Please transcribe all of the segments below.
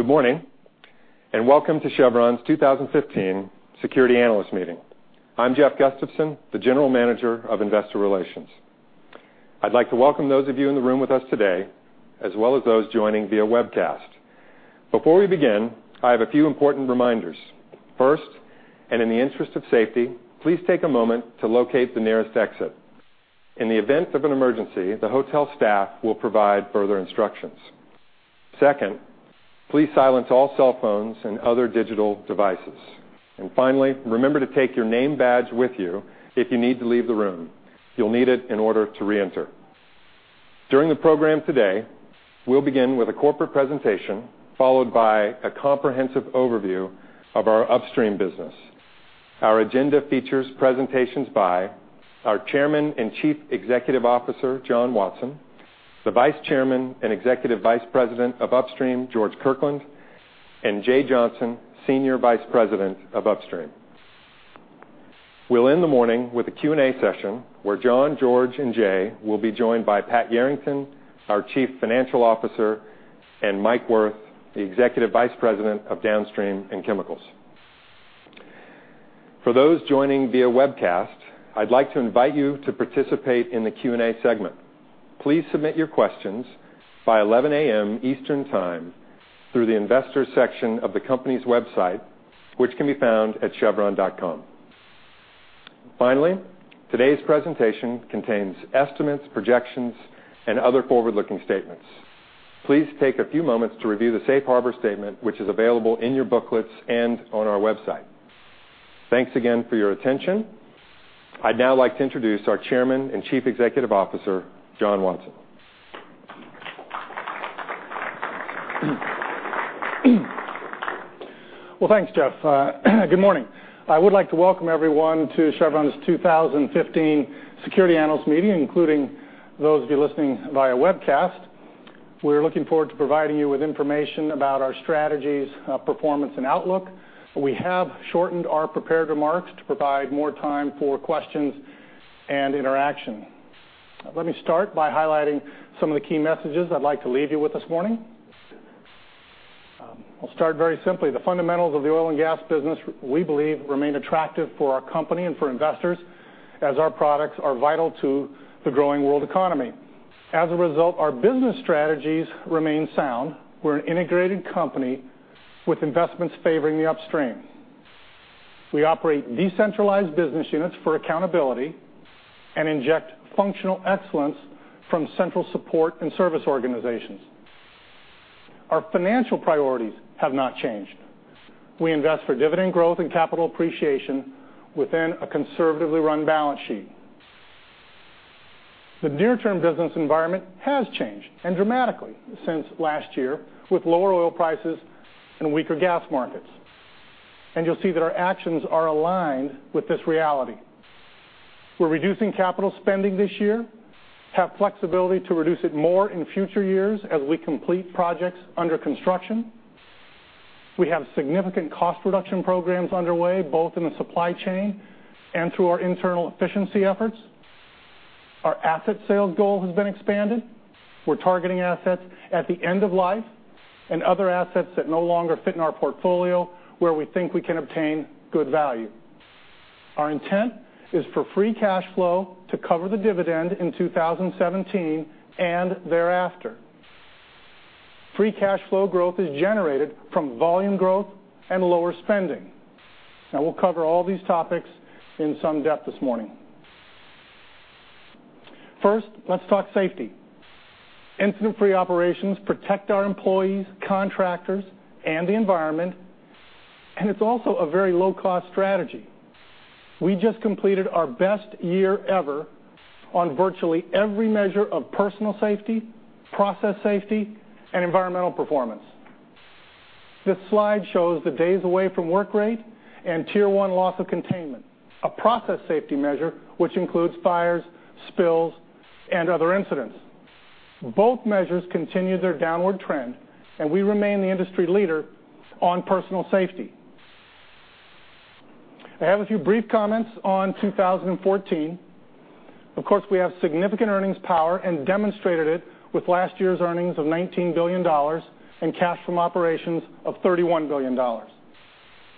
Good morning, welcome to Chevron's 2015 Security Analyst Meeting. I'm Jeff Gustavson, the General Manager of Investor Relations. I'd like to welcome those of you in the room with us today, as well as those joining via webcast. Before we begin, I have a few important reminders. First, in the interest of safety, please take a moment to locate the nearest exit. In the event of an emergency, the hotel staff will provide further instructions. Second, please silence all cell phones and other digital devices. Finally, remember to take your name badge with you if you need to leave the room. You'll need it in order to reenter. During the program today, we'll begin with a corporate presentation, followed by a comprehensive overview of our upstream business. Our agenda features presentations by our Chairman and Chief Executive Officer, John Watson, the Vice Chairman and Executive Vice President of Upstream, George Kirkland, and Jay Johnson, Senior Vice President of Upstream. We'll end the morning with a Q&A session where John, George, and Jay will be joined by Pat Yarrington, our Chief Financial Officer, and Mike Wirth, the Executive Vice President of Downstream and Chemicals. For those joining via webcast, I'd like to invite you to participate in the Q&A segment. Please submit your questions by 11:00 A.M. Eastern Time through the investors section of the company's website, which can be found at chevron.com. Finally, today's presentation contains estimates, projections, and other forward-looking statements. Please take a few moments to review the safe harbor statement, which is available in your booklets and on our website. Thanks again for your attention. I'd now like to introduce our Chairman and Chief Executive Officer, John Watson. Well, thanks, Jeff. Good morning. I would like to welcome everyone to Chevron's 2015 Security Analyst Meeting, including those of you listening via webcast. We're looking forward to providing you with information about our strategies, performance, and outlook. We have shortened our prepared remarks to provide more time for questions and interaction. Let me start by highlighting some of the key messages I'd like to leave you with this morning. I'll start very simply. The fundamentals of the oil and gas business, we believe, remain attractive for our company and for investors, as our products are vital to the growing world economy. As a result, our business strategies remain sound. We're an integrated company with investments favoring the upstream. We operate decentralized business units for accountability and inject functional excellence from central support and service organizations. Our financial priorities have not changed. We invest for dividend growth and capital appreciation within a conservatively run balance sheet. The near-term business environment has changed, dramatically since last year, with lower oil prices and weaker gas markets. You'll see that our actions are aligned with this reality. We're reducing capital spending this year, have flexibility to reduce it more in future years as we complete projects under construction. We have significant cost reduction programs underway, both in the supply chain and through our internal efficiency efforts. Our asset sales goal has been expanded. We're targeting assets at the end of life and other assets that no longer fit in our portfolio where we think we can obtain good value. Our intent is for free cash flow to cover the dividend in 2017 and thereafter. Free cash flow growth is generated from volume growth and lower spending. We'll cover all these topics in some depth this morning. First, let's talk safety. Incident-free operations protect our employees, contractors, and the environment, and it's also a very low-cost strategy. We just completed our best year ever on virtually every measure of personal safety, process safety, and environmental performance. This slide shows the days away from work rate and Tier 1 loss of containment, a process safety measure which includes fires, spills, and other incidents. Both measures continue their downward trend, and we remain the industry leader on personal safety. I have a few brief comments on 2014. Of course, we have significant earnings power and demonstrated it with last year's earnings of $19 billion and cash from operations of $31 billion. Our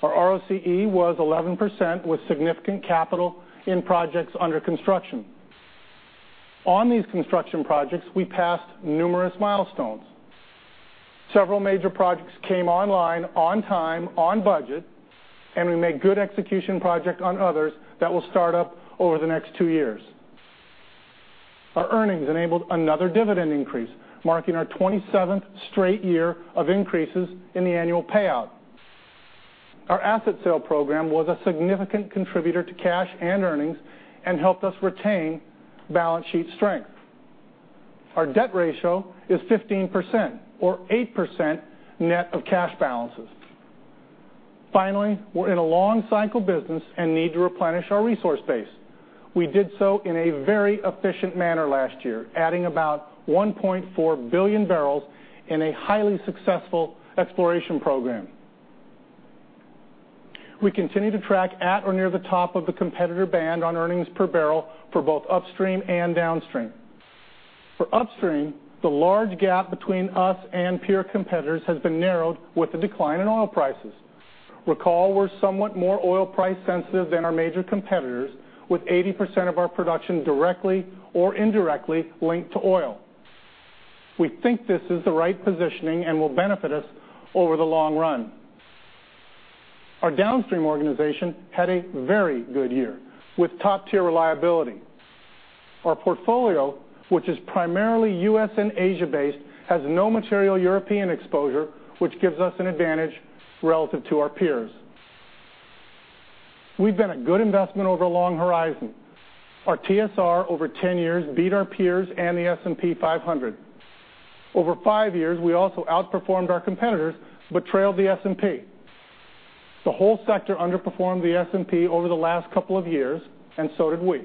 ROCE was 11% with significant capital in projects under construction. On these construction projects, we passed numerous milestones. Several major projects came online on time, on budget, and we made good execution progress on others that will start up over the next two years. Our earnings enabled another dividend increase, marking our 27th straight year of increases in the annual payout. Our asset sale program was a significant contributor to cash and earnings and helped us retain balance sheet strength. Our debt ratio is 15%, or 8% net of cash balances. Finally, we're in a long cycle business and need to replenish our resource base. We did so in a very efficient manner last year, adding about 1.4 billion barrels in a highly successful exploration program. We continue to track at or near the top of the competitor band on earnings per barrel for both upstream and downstream. For upstream, the large gap between us and peer competitors has been narrowed with the decline in oil prices. Recall we're somewhat more oil price sensitive than our major competitors, with 80% of our production directly or indirectly linked to oil. We think this is the right positioning and will benefit us over the long run. Our downstream organization had a very good year, with top-tier reliability. Our portfolio, which is primarily U.S. and Asia-based, has no material European exposure, which gives us an advantage relative to our peers. We've been a good investment over a long horizon. Our TSR over 10 years beat our peers and the S&P 500. Over five years, we also outperformed our competitors but trailed the S&P. The whole sector underperformed the S&P over the last couple of years, so did we.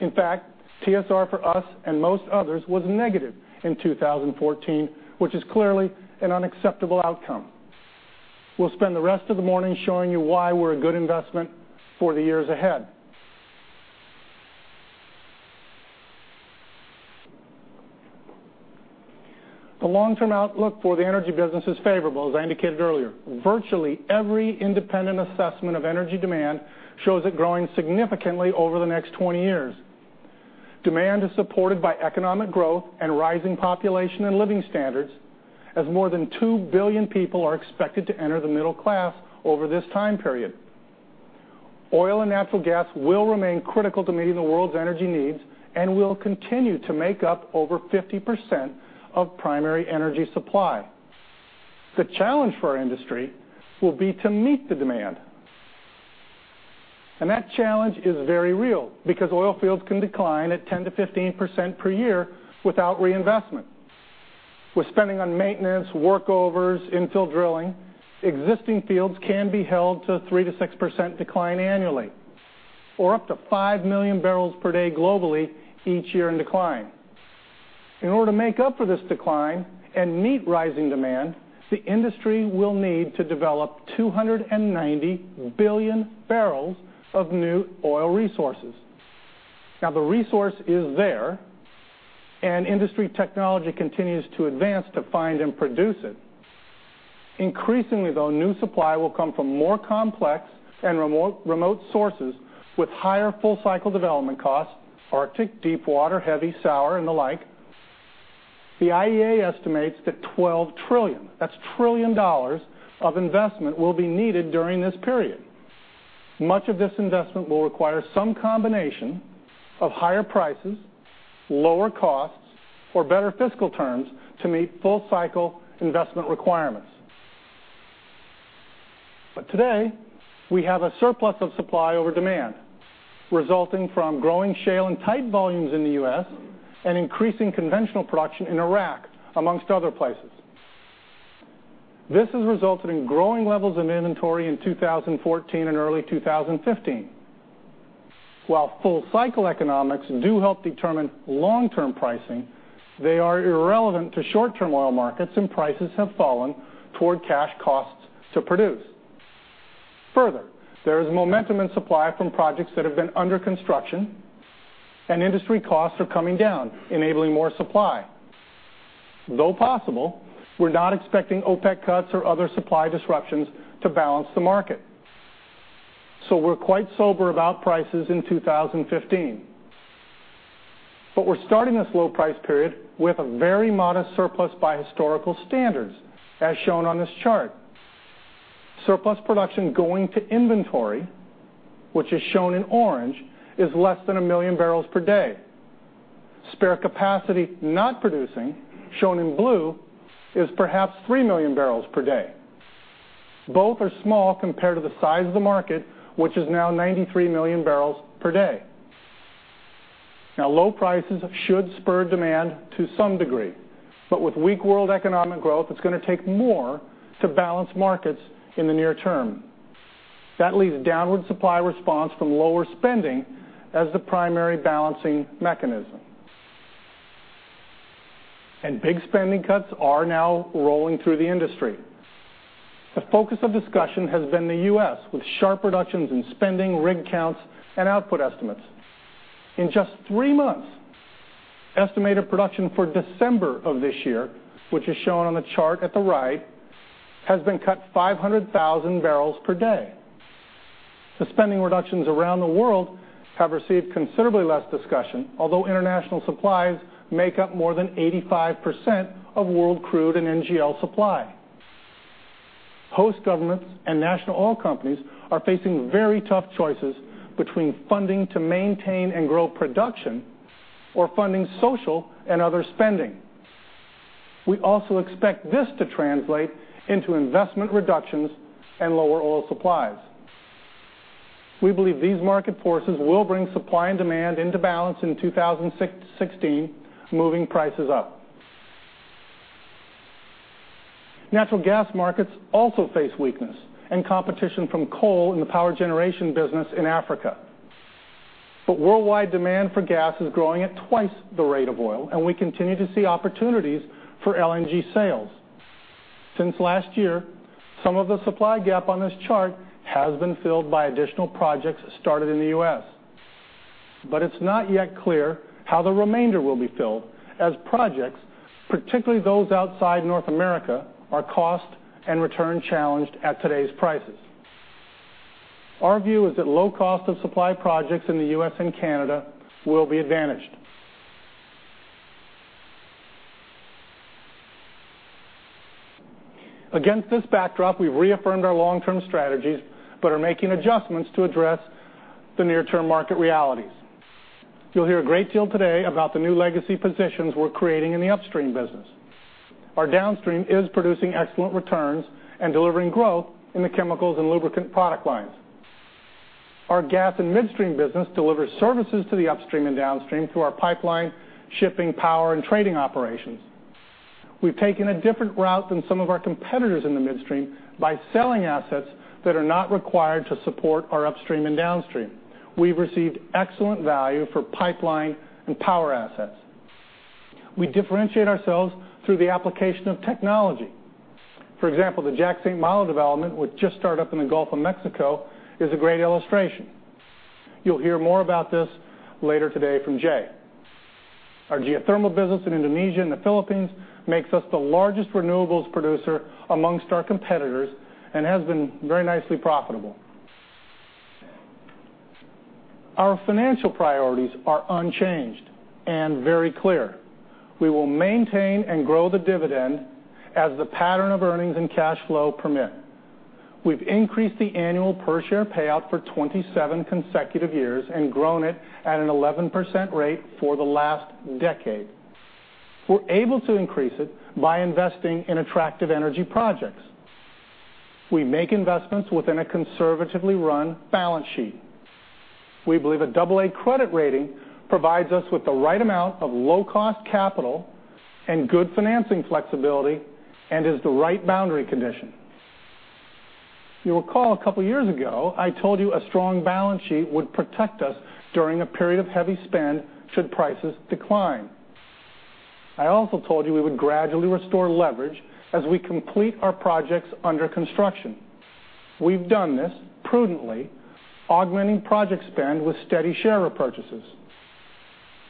In fact, TSR for us and most others was negative in 2014, which is clearly an unacceptable outcome. We'll spend the rest of the morning showing you why we're a good investment for the years ahead. The long-term outlook for the energy business is favorable, as I indicated earlier. Virtually every independent assessment of energy demand shows it growing significantly over the next 20 years. Demand is supported by economic growth and rising population and living standards, as more than 2 billion people are expected to enter the middle class over this time period. Oil and natural gas will remain critical to meeting the world's energy needs and will continue to make up over 50% of primary energy supply. The challenge for our industry will be to meet the demand. That challenge is very real because oil fields can decline at 10%-15% per year without reinvestment. With spending on maintenance, workovers, infill drilling, existing fields can be held to 3%-6% decline annually or up to 5 million barrels per day globally each year in decline. In order to make up for this decline and meet rising demand, the industry will need to develop 290 billion barrels of new oil resources. The resource is there, and industry technology continues to advance to find and produce it. Increasingly, though, new supply will come from more complex and remote sources with higher full-cycle development costs, Arctic deep water, heavy sour, and the like. The IEA estimates that $12 trillion, that's trillion dollars, of investment will be needed during this period. Much of this investment will require some combination of higher prices, lower costs, or better fiscal terms to meet full-cycle investment requirements. Today, we have a surplus of supply over demand, resulting from growing shale and tight volumes in the U.S. and increasing conventional production in Iraq, amongst other places. This has resulted in growing levels of inventory in 2014 and early 2015. While full-cycle economics do help determine long-term pricing, they are irrelevant to short-term oil markets, and prices have fallen toward cash costs to produce. Further, there is momentum in supply from projects that have been under construction, and industry costs are coming down, enabling more supply. Though possible, we're not expecting OPEC cuts or other supply disruptions to balance the market. We're quite sober about prices in 2015. We're starting this low price period with a very modest surplus by historical standards, as shown on this chart. Surplus production going to inventory, which is shown in orange, is less than 1 million barrels per day. Spare capacity not producing, shown in blue, is perhaps 3 million barrels per day. Both are small compared to the size of the market, which is now 93 million barrels per day. Low prices should spur demand to some degree. With weak world economic growth, it's going to take more to balance markets in the near term. That leaves downward supply response from lower spending as the primary balancing mechanism. Big spending cuts are now rolling through the industry. The focus of discussion has been the U.S., with sharp reductions in spending, rig counts, and output estimates. In just 3 months, estimated production for December of this year, which is shown on the chart at the right, has been cut 500,000 barrels per day. The spending reductions around the world have received considerably less discussion, although international supplies make up more than 85% of world crude and NGL supply. Host governments and national oil companies are facing very tough choices between funding to maintain and grow production or funding social and other spending. We also expect this to translate into investment reductions and lower oil supplies. We believe these market forces will bring supply and demand into balance in 2016, moving prices up. Natural gas markets also face weakness and competition from coal in the power generation business in Africa. Worldwide demand for gas is growing at twice the rate of oil, and we continue to see opportunities for LNG sales. Since last year, some of the supply gap on this chart has been filled by additional projects started in the U.S., but it's not yet clear how the remainder will be filled as projects, particularly those outside North America, are cost and return-challenged at today's prices. Our view is that low cost of supply projects in the U.S. and Canada will be advantaged. Against this backdrop, we've reaffirmed our long-term strategies but are making adjustments to address the near-term market realities. You'll hear a great deal today about the new legacy positions we're creating in the upstream business. Our downstream is producing excellent returns and delivering growth in the chemicals and lubricant product lines. Our gas and midstream business delivers services to the upstream and downstream through our pipeline, shipping, power, and trading operations. We've taken a different route than some of our competitors in the midstream by selling assets that are not required to support our upstream and downstream. We've received excellent value for pipeline and power assets. We differentiate ourselves through the application of technology. For example, the Jack St. Malo development, which just started up in the Gulf of Mexico, is a great illustration. You'll hear more about this later today from Jay. Our geothermal business in Indonesia and the Philippines makes us the largest renewables producer amongst our competitors and has been very nicely profitable. Our financial priorities are unchanged and very clear. We will maintain and grow the dividend as the pattern of earnings and cash flow permit. We've increased the annual per-share payout for 27 consecutive years and grown it at an 11% rate for the last decade. We're able to increase it by investing in attractive energy projects. We make investments within a conservatively run balance sheet. We believe an AA credit rating provides us with the right amount of low-cost capital and good financing flexibility and is the right boundary condition. You'll recall a couple of years ago, I told you a strong balance sheet would protect us during a period of heavy spend should prices decline. I also told you we would gradually restore leverage as we complete our projects under construction. We've done this prudently, augmenting project spend with steady share repurchases.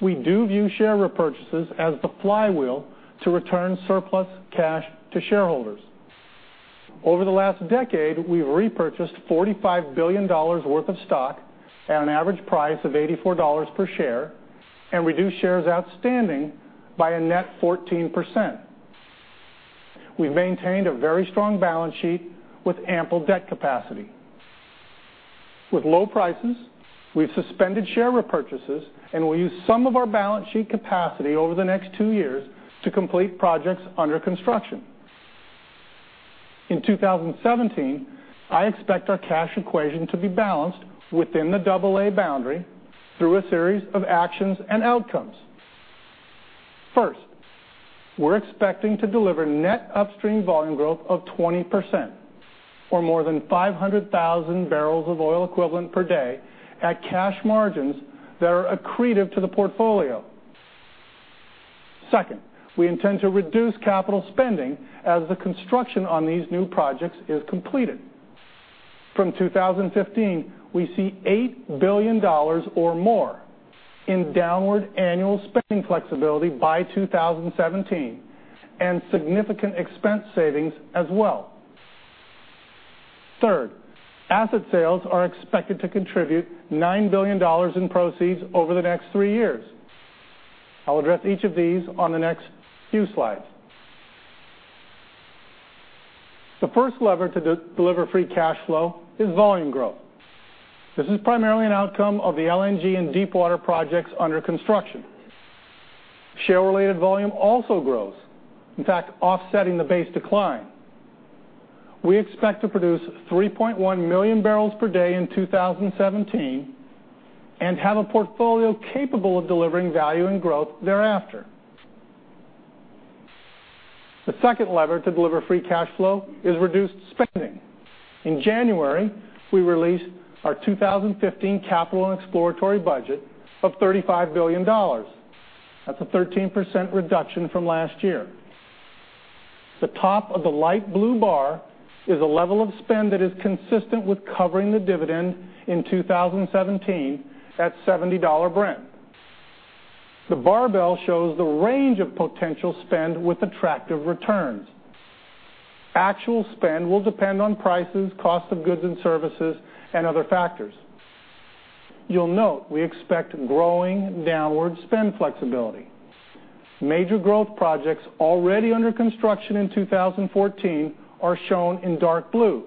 We do view share repurchases as the flywheel to return surplus cash to shareholders. Over the last decade, we've repurchased $45 billion worth of stock at an average price of $84 per share and reduced shares outstanding by a net 14%. We've maintained a very strong balance sheet with ample debt capacity. With low prices, we've suspended share repurchases, and we'll use some of our balance sheet capacity over the next two years to complete projects under construction. In 2017, I expect our cash equation to be balanced within the double A boundary through a series of actions and outcomes. First, we're expecting to deliver net upstream volume growth of 20%, or more than 500,000 barrels of oil equivalent per day at cash margins that are accretive to the portfolio. Second, we intend to reduce capital spending as the construction on these new projects is completed. From 2015, we see $8 billion or more in downward annual spending flexibility by 2017 and significant expense savings as well. Third, asset sales are expected to contribute $9 billion in proceeds over the next three years. I'll address each of these on the next few slides. The first lever to deliver free cash flow is volume growth. This is primarily an outcome of the LNG and deepwater projects under construction. Share-related volume also grows, in fact, offsetting the base decline. We expect to produce 3.1 million barrels per day in 2017 and have a portfolio capable of delivering value and growth thereafter. The second lever to deliver free cash flow is reduced spending. In January, we released our 2015 capital and exploratory budget of $35 billion. That's a 13% reduction from last year. The top of the light blue bar is a level of spend that is consistent with covering the dividend in 2017 at $70 Brent. The barbell shows the range of potential spend with attractive returns. Actual spend will depend on prices, cost of goods and services, and other factors. You'll note we expect growing downward spend flexibility. Major growth projects already under construction in 2014 are shown in dark blue.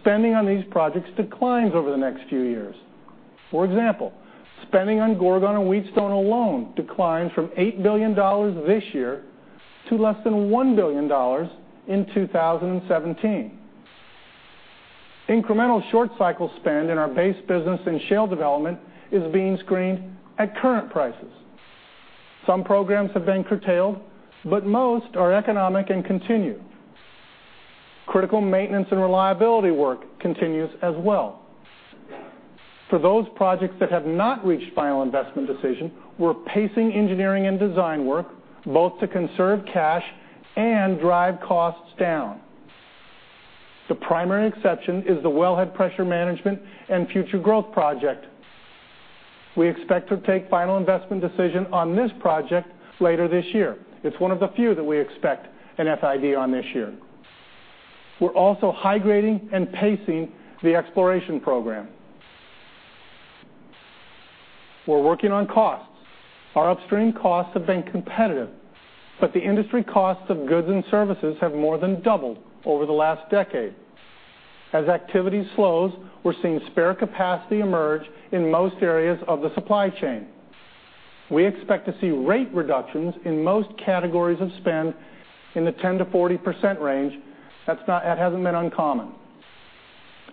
Spending on these projects declines over the next few years. For example, spending on Gorgon and Wheatstone alone declines from $8 billion this year to less than $1 billion in 2017. Incremental short-cycle spend in our base business and shale development is being screened at current prices. Some programs have been curtailed, but most are economic and continue. Critical maintenance and reliability work continues as well. For those projects that have not reached final investment decision, we're pacing engineering and design work both to conserve cash and drive costs down. The primary exception is the wellhead pressure management and Future Growth Project. We expect to take final investment decision on this project later this year. It's one of the few that we expect an FID on this year. We're also high-grading and pacing the exploration program. We're working on costs. Our upstream costs have been competitive, but the industry costs of goods and services have more than doubled over the last decade. As activity slows, we're seeing spare capacity emerge in most areas of the supply chain. We expect to see rate reductions in most categories of spend in the 10%-40% range. That hasn't been uncommon.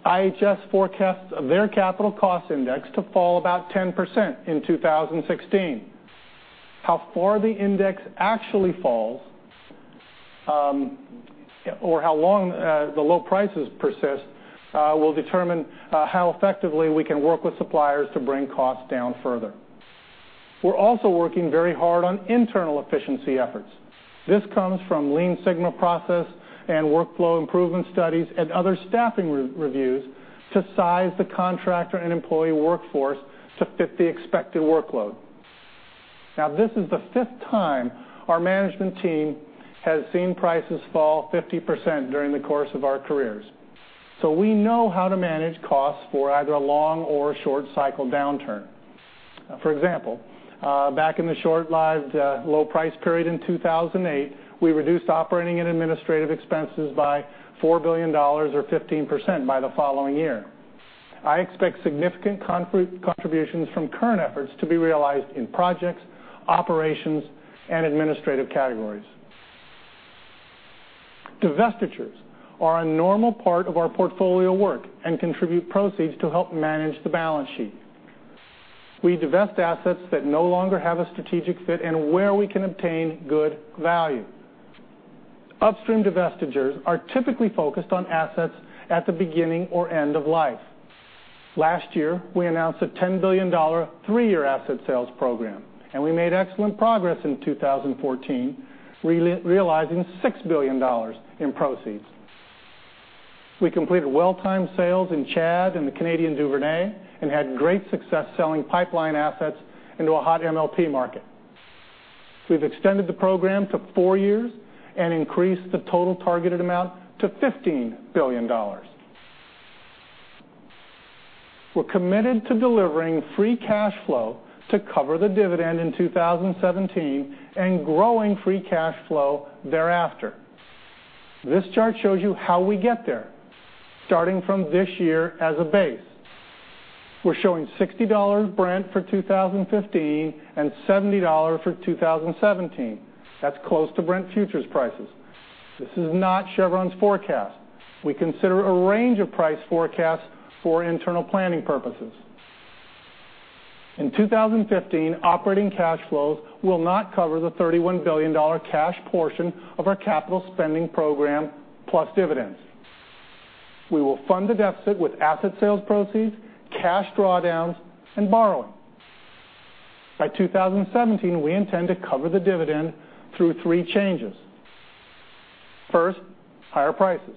IHS forecasts their capital cost index to fall about 10% in 2016. How far the index actually falls, or how long the low prices persist will determine how effectively we can work with suppliers to bring costs down further. We're also working very hard on internal efficiency efforts. This comes from Lean Six Sigma process and workflow improvement studies and other staffing reviews to size the contractor and employee workforce to fit the expected workload. This is the fifth time our management team has seen prices fall 50% during the course of our careers, so we know how to manage costs for either a long or a short cycle downturn. For example, back in the short-lived low price period in 2008, we reduced operating and administrative expenses by $4 billion, or 15%, by the following year. I expect significant contributions from current efforts to be realized in projects, operations, and administrative categories. Divestitures are a normal part of our portfolio work and contribute proceeds to help manage the balance sheet. We divest assets that no longer have a strategic fit and where we can obtain good value. Upstream divestitures are typically focused on assets at the beginning or end of life. Last year, we announced a $10 billion three-year asset sales program. We made excellent progress in 2014, realizing $6 billion in proceeds. We completed well-timed sales in Chad and the Canadian Duvernay and had great success selling pipeline assets into a hot MLP market. We've extended the program to four years and increased the total targeted amount to $15 billion. We're committed to delivering free cash flow to cover the dividend in 2017 and growing free cash flow thereafter. This chart shows you how we get there, starting from this year as a base. We're showing $60 Brent for 2015 and $70 for 2017. That's close to Brent futures prices. This is not Chevron's forecast. We consider a range of price forecasts for internal planning purposes. In 2015, operating cash flows will not cover the $31 billion cash portion of our capital spending program, plus dividends. We will fund the deficit with asset sales proceeds, cash drawdowns, and borrowing. By 2017, we intend to cover the dividend through three changes. First, higher prices.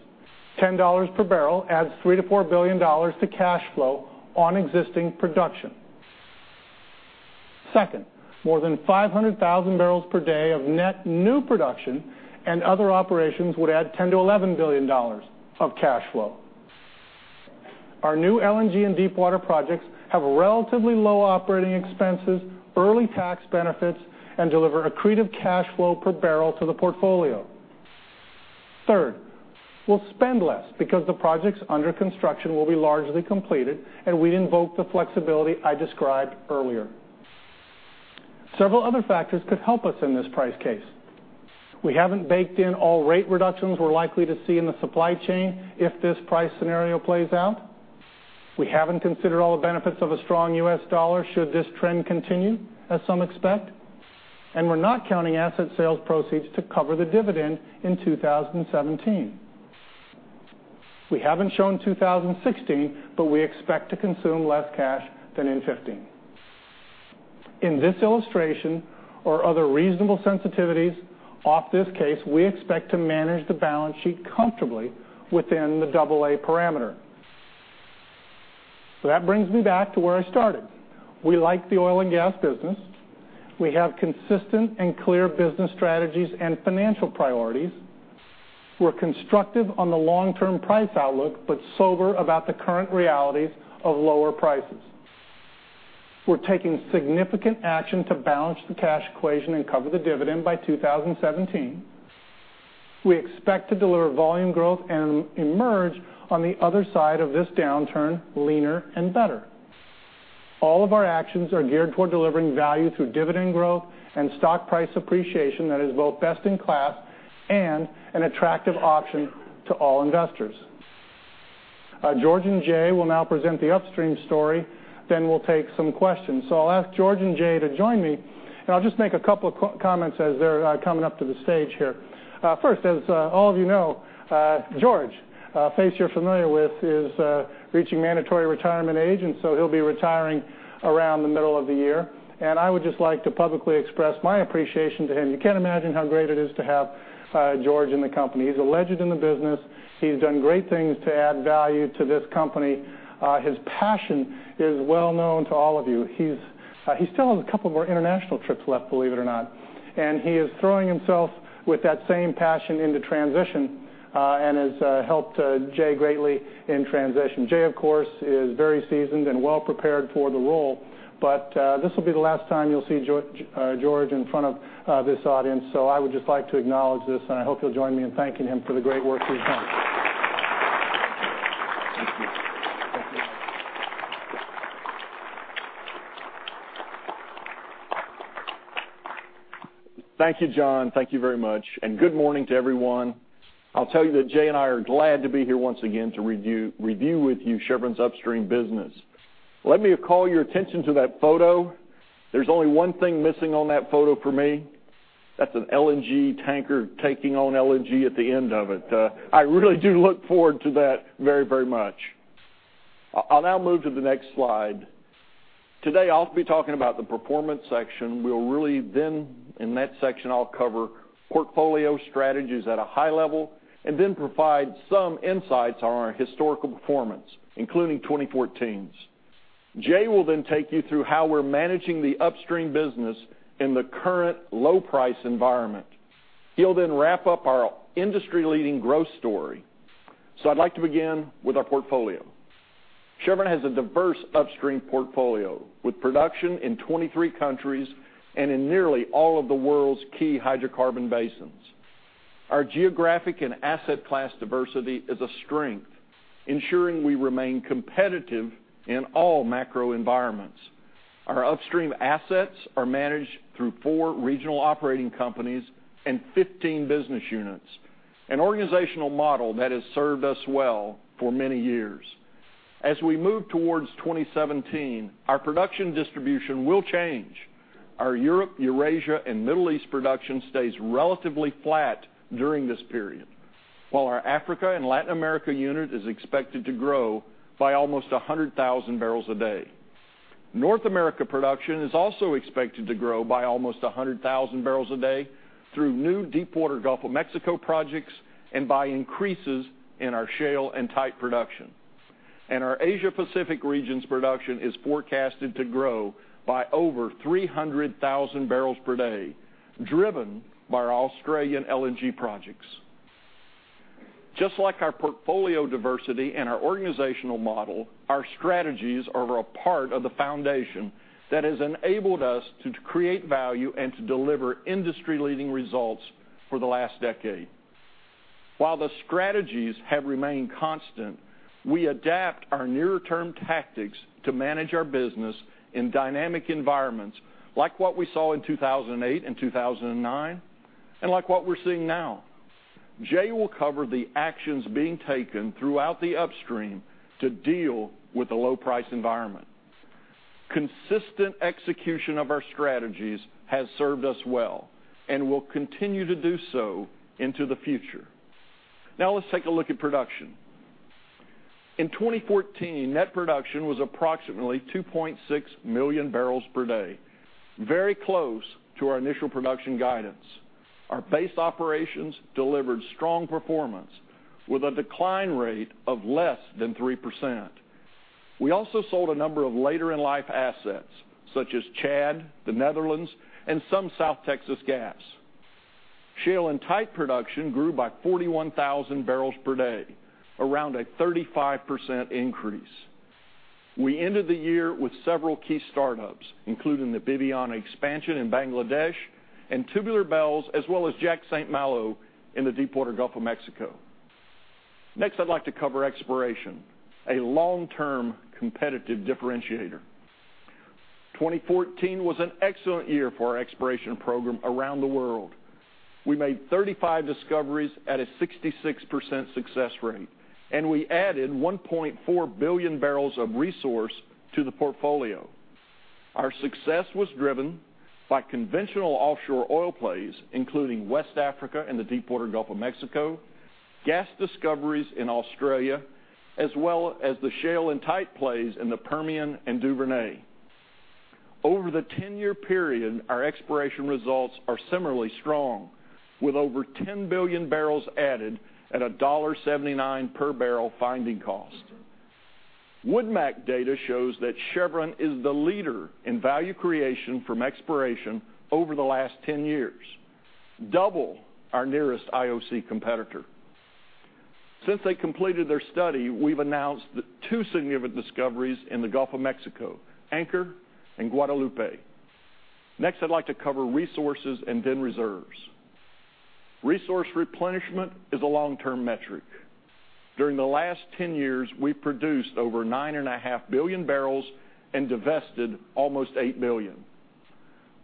$10 per barrel adds $3 billion-$4 billion to cash flow on existing production. Second, more than 500,000 barrels per day of net new production and other operations would add $10 billion-$11 billion of cash flow. Our new LNG and deepwater projects have relatively low operating expenses, early tax benefits, and deliver accretive cash flow per barrel to the portfolio. Third, we'll spend less because the projects under construction will be largely completed, and we invoke the flexibility I described earlier. Several other factors could help us in this price case. We haven't baked in all rate reductions we're likely to see in the supply chain if this price scenario plays out. We haven't considered all the benefits of a strong U.S. dollar should this trend continue, as some expect. We're not counting asset sales proceeds to cover the dividend in 2017. We haven't shown 2016, but we expect to consume less cash than in 2015. In this illustration or other reasonable sensitivities off this case, we expect to manage the balance sheet comfortably within the AA parameter. That brings me back to where I started. We like the oil and gas business. We have consistent and clear business strategies and financial priorities. We're constructive on the long-term price outlook, but sober about the current realities of lower prices. We're taking significant action to balance the cash equation and cover the dividend by 2017. We expect to deliver volume growth and emerge on the other side of this downturn leaner and better. All of our actions are geared toward delivering value through dividend growth and stock price appreciation that is both best in class and an attractive option to all investors. George and Jay will now present the Upstream story. We'll take some questions. I'll ask George and Jay to join me. I'll just make a couple of comments as they're coming up to the stage here. First, as all of you know, George, a face you're familiar with, is reaching mandatory retirement age. He'll be retiring around the middle of the year. I would just like to publicly express my appreciation to him. You can't imagine how great it is to have George in the company. He's a legend in the business. He's done great things to add value to this company. His passion is well known to all of you. He still has a couple more international trips left, believe it or not. He is throwing himself with that same passion into transition, and has helped Jay greatly in transition. Jay, of course, is very seasoned and well-prepared for the role. This will be the last time you'll see George in front of this audience. I would just like to acknowledge this, and I hope you'll join me in thanking him for the great work he's done. Thank you. Thank you. Thank you, John. Thank you very much, and good morning to everyone. I'll tell you that Jay and I are glad to be here once again to review with you Chevron's upstream business. Let me call your attention to that photo. There's only one thing missing on that photo for me. That's an LNG tanker taking on LNG at the end of it. I really do look forward to that very much. I'll now move to the next slide. Today, I'll be talking about the performance section. In that section, I'll cover portfolio strategies at a high level, and then provide some insights on our historical performance, including 2014's. Jay will then take you through how we're managing the upstream business in the current low-price environment. He'll then wrap up our industry-leading growth story. I'd like to begin with our portfolio. Chevron has a diverse upstream portfolio with production in 23 countries and in nearly all of the world's key hydrocarbon basins. Our geographic and asset class diversity is a strength, ensuring we remain competitive in all macro environments. Our upstream assets are managed through 4 regional operating companies and 15 business units, an organizational model that has served us well for many years. As we move towards 2017, our production distribution will change. Our Europe, Eurasia, and Middle East production stays relatively flat during this period, while our Africa and Latin America unit is expected to grow by almost 100,000 barrels a day. North America production is also expected to grow by almost 100,000 barrels a day through new deepwater Gulf of Mexico projects and by increases in our shale and tight production. Our Asia Pacific region's production is forecasted to grow by over 300,000 barrels per day, driven by our Australian LNG projects. Just like our portfolio diversity and our organizational model, our strategies are a part of the foundation that has enabled us to create value and to deliver industry-leading results for the last decade. While the strategies have remained constant, we adapt our nearer-term tactics to manage our business in dynamic environments like what we saw in 2008 and 2009, and like what we're seeing now. Jay will cover the actions being taken throughout the upstream to deal with the low-price environment. Consistent execution of our strategies has served us well and will continue to do so into the future. Let's take a look at production. In 2014, net production was approximately 2.6 million barrels per day, very close to our initial production guidance. Our base operations delivered strong performance with a decline rate of less than 3%. We also sold a number of later-in-life assets, such as Chad, the Netherlands, and some South Texas gas. Shale and tight production grew by 41,000 barrels per day, around a 35% increase. We ended the year with several key startups, including the Bibiyana expansion in Bangladesh and Tubular Bells, as well as Jack/St. Malo in the deepwater Gulf of Mexico. I'd like to cover exploration, a long-term competitive differentiator. 2014 was an excellent year for our exploration program around the world. We made 35 discoveries at a 66% success rate, and we added 1.4 billion barrels of resource to the portfolio. Our success was driven by conventional offshore oil plays, including West Africa and the deepwater Gulf of Mexico, gas discoveries in Australia, as well as the shale and tight plays in the Permian and Duvernay. Over the 10-year period, our exploration results are similarly strong, with over 10 billion barrels added at $1.79 per barrel finding cost. WoodMac data shows that Chevron is the leader in value creation from exploration over the last 10 years, double our nearest IOC competitor. Since they completed their study, we've announced two significant discoveries in the Gulf of Mexico, Anchor and Guadalupe. Next, I'd like to cover resources and then reserves. Resource replenishment is a long-term metric. During the last 10 years, we've produced over nine and a half billion barrels and divested almost eight billion.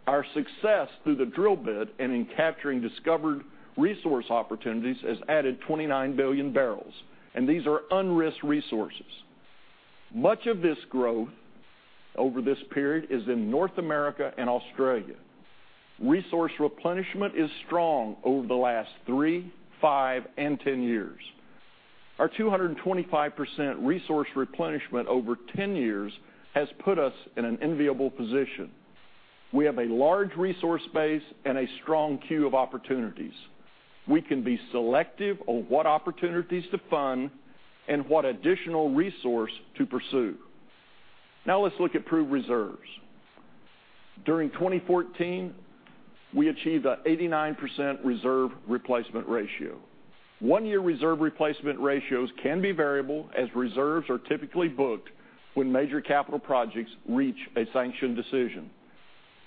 Our success through the drill bit and in capturing discovered resource opportunities has added 29 billion barrels, and these are unrisked resources. Much of this growth over this period is in North America and Australia. Resource replenishment is strong over the last three, five, and 10 years. Our 225% resource replenishment over 10 years has put us in an enviable position. We have a large resource base and a strong queue of opportunities. We can be selective on what opportunities to fund and what additional resource to pursue. Now let's look at proved reserves. During 2014, we achieved an 89% reserve replacement ratio. One year reserve replacement ratios can be variable, as reserves are typically booked when major capital projects reach a sanction decision.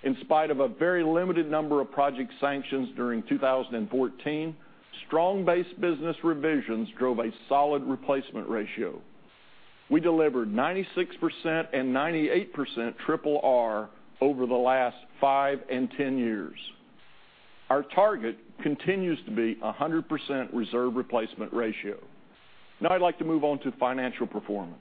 In spite of a very limited number of project sanctions during 2014, strong base business revisions drove a solid replacement ratio. We delivered 96% and 98% RRR over the last five and 10 years. Our target continues to be 100% reserve replacement ratio. Now I'd like to move on to financial performance.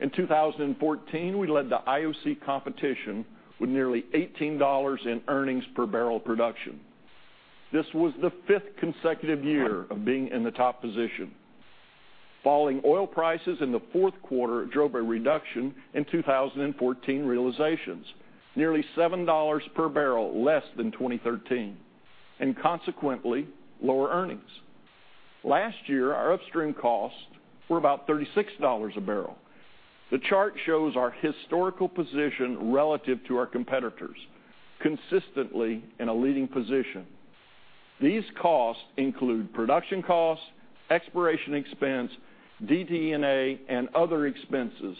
In 2014, we led the IOC competition with nearly $18 in earnings per barrel production. This was the fifth consecutive year of being in the top position. Falling oil prices in the fourth quarter drove a reduction in 2014 realizations, nearly $7 per barrel less than 2013, and consequently, lower earnings. Last year, our upstream costs were about $36 a barrel. The chart shows our historical position relative to our competitors, consistently in a leading position. These costs include production costs, exploration expense, DD&A, and other expenses.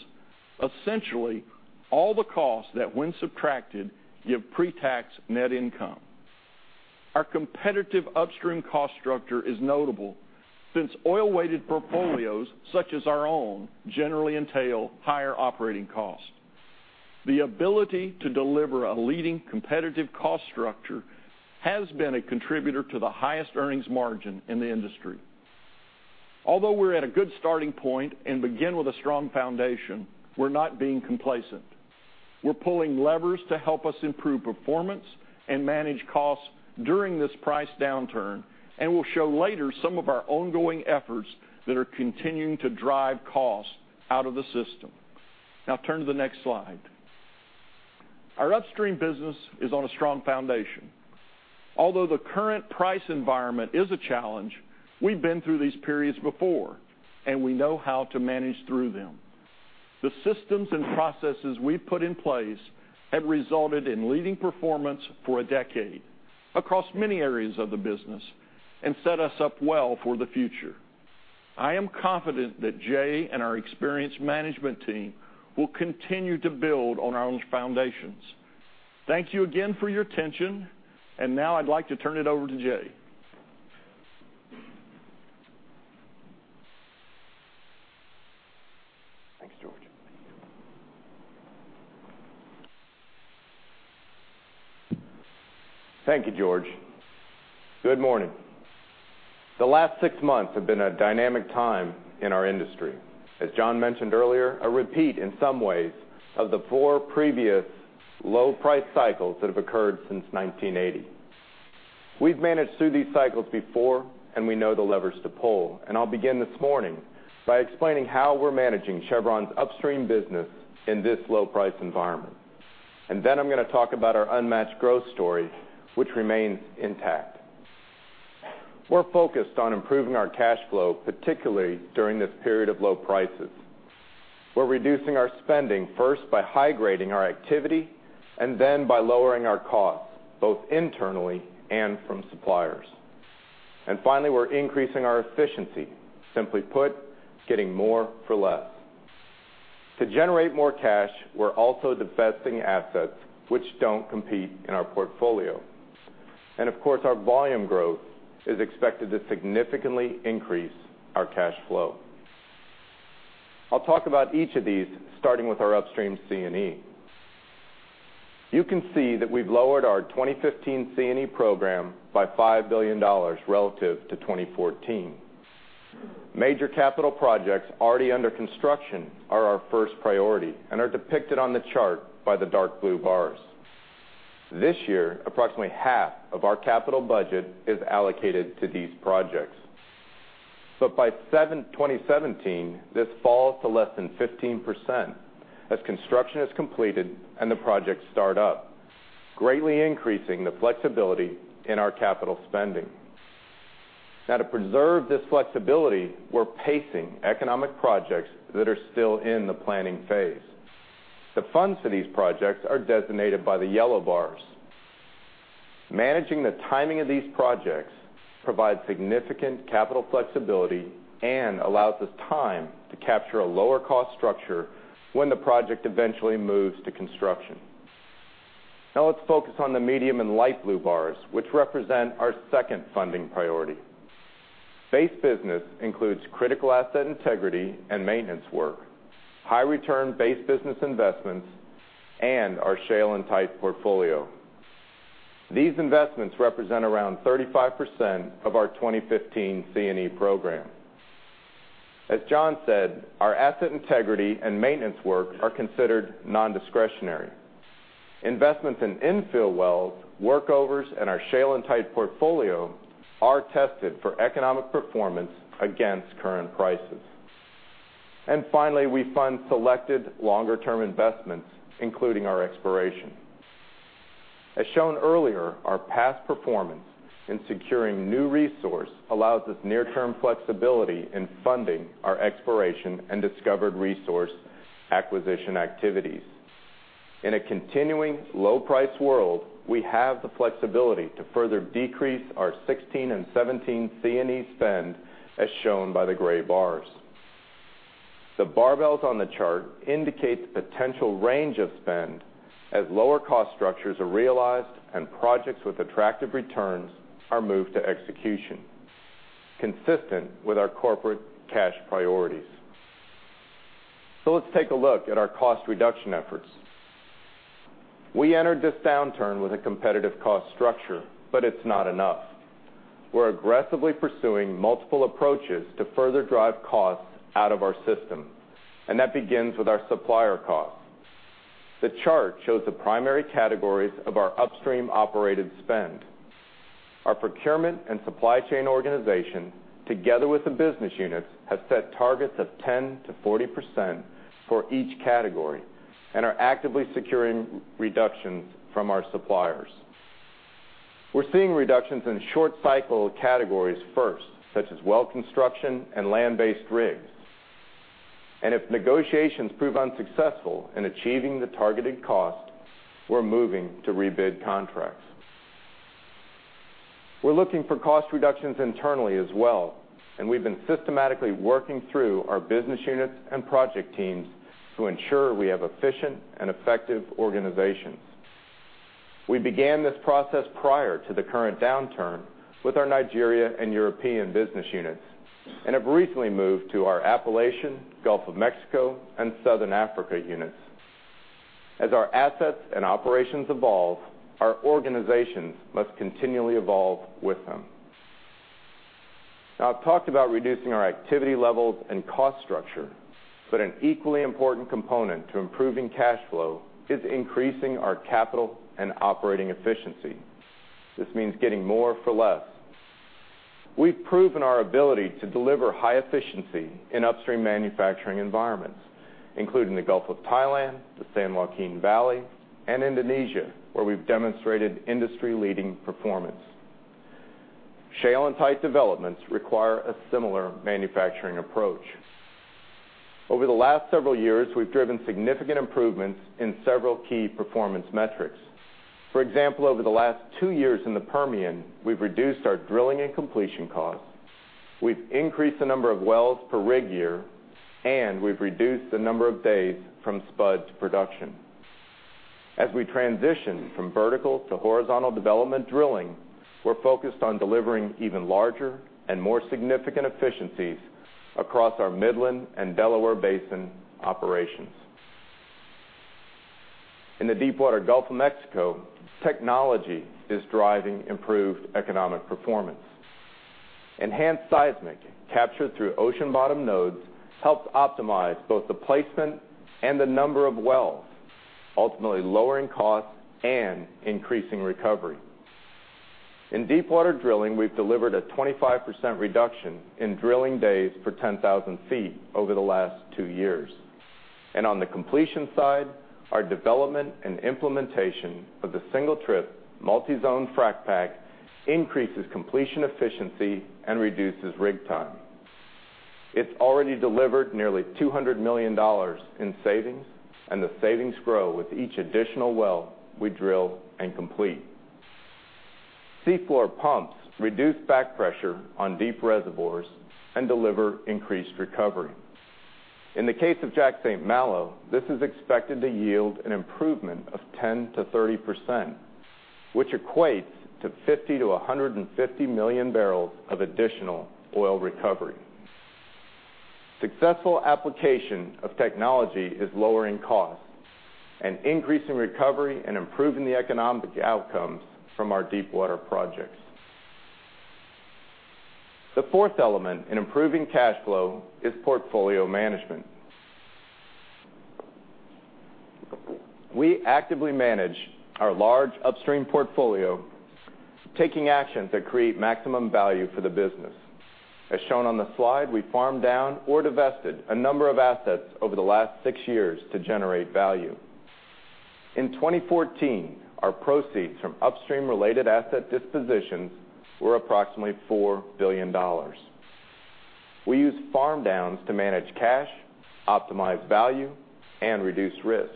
Essentially, all the costs that when subtracted give pre-tax net income. Our competitive upstream cost structure is notable since oil-weighted portfolios, such as our own, generally entail higher operating costs. The ability to deliver a leading competitive cost structure has been a contributor to the highest earnings margin in the industry. Although we're at a good starting point and begin with a strong foundation, we're not being complacent. We're pulling levers to help us improve performance and manage costs during this price downturn, and we'll show later some of our ongoing efforts that are continuing to drive costs out of the system. Now turn to the next slide. Our upstream business is on a strong foundation. Although the current price environment is a challenge, we've been through these periods before, and we know how to manage through them. The systems and processes we've put in place have resulted in leading performance for a decade across many areas of the business and set us up well for the future. I am confident that Jay and our experienced management team will continue to build on our own foundations. Thank you again for your attention, now I'd like to turn it over to Jay. Thanks, George. Thank you, George. Good morning. The last six months have been a dynamic time in our industry, as John mentioned earlier, a repeat in some ways of the four previous low price cycles that have occurred since 1980. We've managed through these cycles before, we know the levers to pull, I'll begin this morning by explaining how we're managing Chevron's upstream business in this low-price environment. Then I'm going to talk about our unmatched growth story, which remains intact. We're focused on improving our cash flow, particularly during this period of low prices. We're reducing our spending, first by high-grading our activity, then by lowering our costs, both internally and from suppliers. Finally, we're increasing our efficiency. Simply put, getting more for less. To generate more cash, we're also divesting assets which don't compete in our portfolio. Of course, our volume growth is expected to significantly increase our cash flow. I'll talk about each of these, starting with our upstream C&E. You can see that we've lowered our 2015 C&E program by $5 billion relative to 2014. Major capital projects already under construction are our first priority and are depicted on the chart by the dark blue bars. This year, approximately half of our capital budget is allocated to these projects. By 2017, this falls to less than 15% as construction is completed and the projects start up, greatly increasing the flexibility in our capital spending. Now to preserve this flexibility, we're pacing economic projects that are still in the planning phase. The funds for these projects are designated by the yellow bars. Managing the timing of these projects provides significant capital flexibility and allows us time to capture a lower cost structure when the project eventually moves to construction. Now let's focus on the medium and light blue bars, which represent our second funding priority. Base business includes critical asset integrity and maintenance work, high return base business investments, and our shale and tight portfolio. These investments represent around 35% of our 2015 C&E program. As John said, our asset integrity and maintenance work are considered non-discretionary. Investments in infill wells, workovers, and our shale and tight portfolio are tested for economic performance against current prices. Finally, we fund selected longer-term investments, including our exploration. As shown earlier, our past performance in securing new resource allows us near-term flexibility in funding our exploration and discovered resource acquisition activities. In a continuing low-price world, we have the flexibility to further decrease our 2016 and 2017 C&E spend, as shown by the gray bars. The barbells on the chart indicate the potential range of spend as lower cost structures are realized and projects with attractive returns are moved to execution, consistent with our corporate cash priorities. Let's take a look at our cost reduction efforts. We entered this downturn with a competitive cost structure, it's not enough. We're aggressively pursuing multiple approaches to further drive costs out of our system, that begins with our supplier costs. The chart shows the primary categories of our upstream operated spend. Our procurement and supply chain organization, together with the business units, has set targets of 10% to 40% for each category and are actively securing reductions from our suppliers. We're seeing reductions in short cycle categories first, such as well construction and land-based rigs. If negotiations prove unsuccessful in achieving the targeted cost, we're moving to rebid contracts. We're looking for cost reductions internally as well, we've been systematically working through our business units and project teams to ensure we have efficient and effective organizations. We began this process prior to the current downturn with our Nigeria and European business units and have recently moved to our Appalachian, Gulf of Mexico, and Southern Africa units. As our assets and operations evolve, our organizations must continually evolve with them. I've talked about reducing our activity levels and cost structure, an equally important component to improving cash flow is increasing our capital and operating efficiency. This means getting more for less. We've proven our ability to deliver high efficiency in upstream manufacturing environments, including the Gulf of Thailand, the San Joaquin Valley, and Indonesia, where we've demonstrated industry-leading performance. Shale and tight developments require a similar manufacturing approach. Over the last several years, we've driven significant improvements in several key performance metrics. For example, over the last two years in the Permian, we've reduced our drilling and completion costs, we've increased the number of wells per rig year, and we've reduced the number of days from spud to production. As we transition from vertical to horizontal development drilling, we're focused on delivering even larger and more significant efficiencies across our Midland and Delaware Basin operations. In the deepwater Gulf of Mexico, technology is driving improved economic performance. Enhanced seismic captured through ocean bottom nodes helps optimize both the placement and the number of wells, ultimately lowering costs and increasing recovery. In deepwater drilling, we've delivered a 25% reduction in drilling days per 10,000 feet over the last two years. On the completion side, our development and implementation of the single-trip multi-zone frac pack increases completion efficiency and reduces rig time. It's already delivered nearly $200 million in savings, and the savings grow with each additional well we drill and complete. Seafloor pumps reduce back pressure on deep reservoirs and deliver increased recovery. In the case of Jack/St. Malo, this is expected to yield an improvement of 10% to 30%, which equates to 50 to 150 million barrels of additional oil recovery. Successful application of technology is lowering costs and increasing recovery and improving the economic outcomes from our deepwater projects. The fourth element in improving cash flow is portfolio management. We actively manage our large upstream portfolio, taking actions that create maximum value for the business. As shown on the slide, we farmed down or divested a number of assets over the last six years to generate value. In 2014, our proceeds from upstream-related asset dispositions were approximately $4 billion. We use farm downs to manage cash, optimize value, and reduce risk.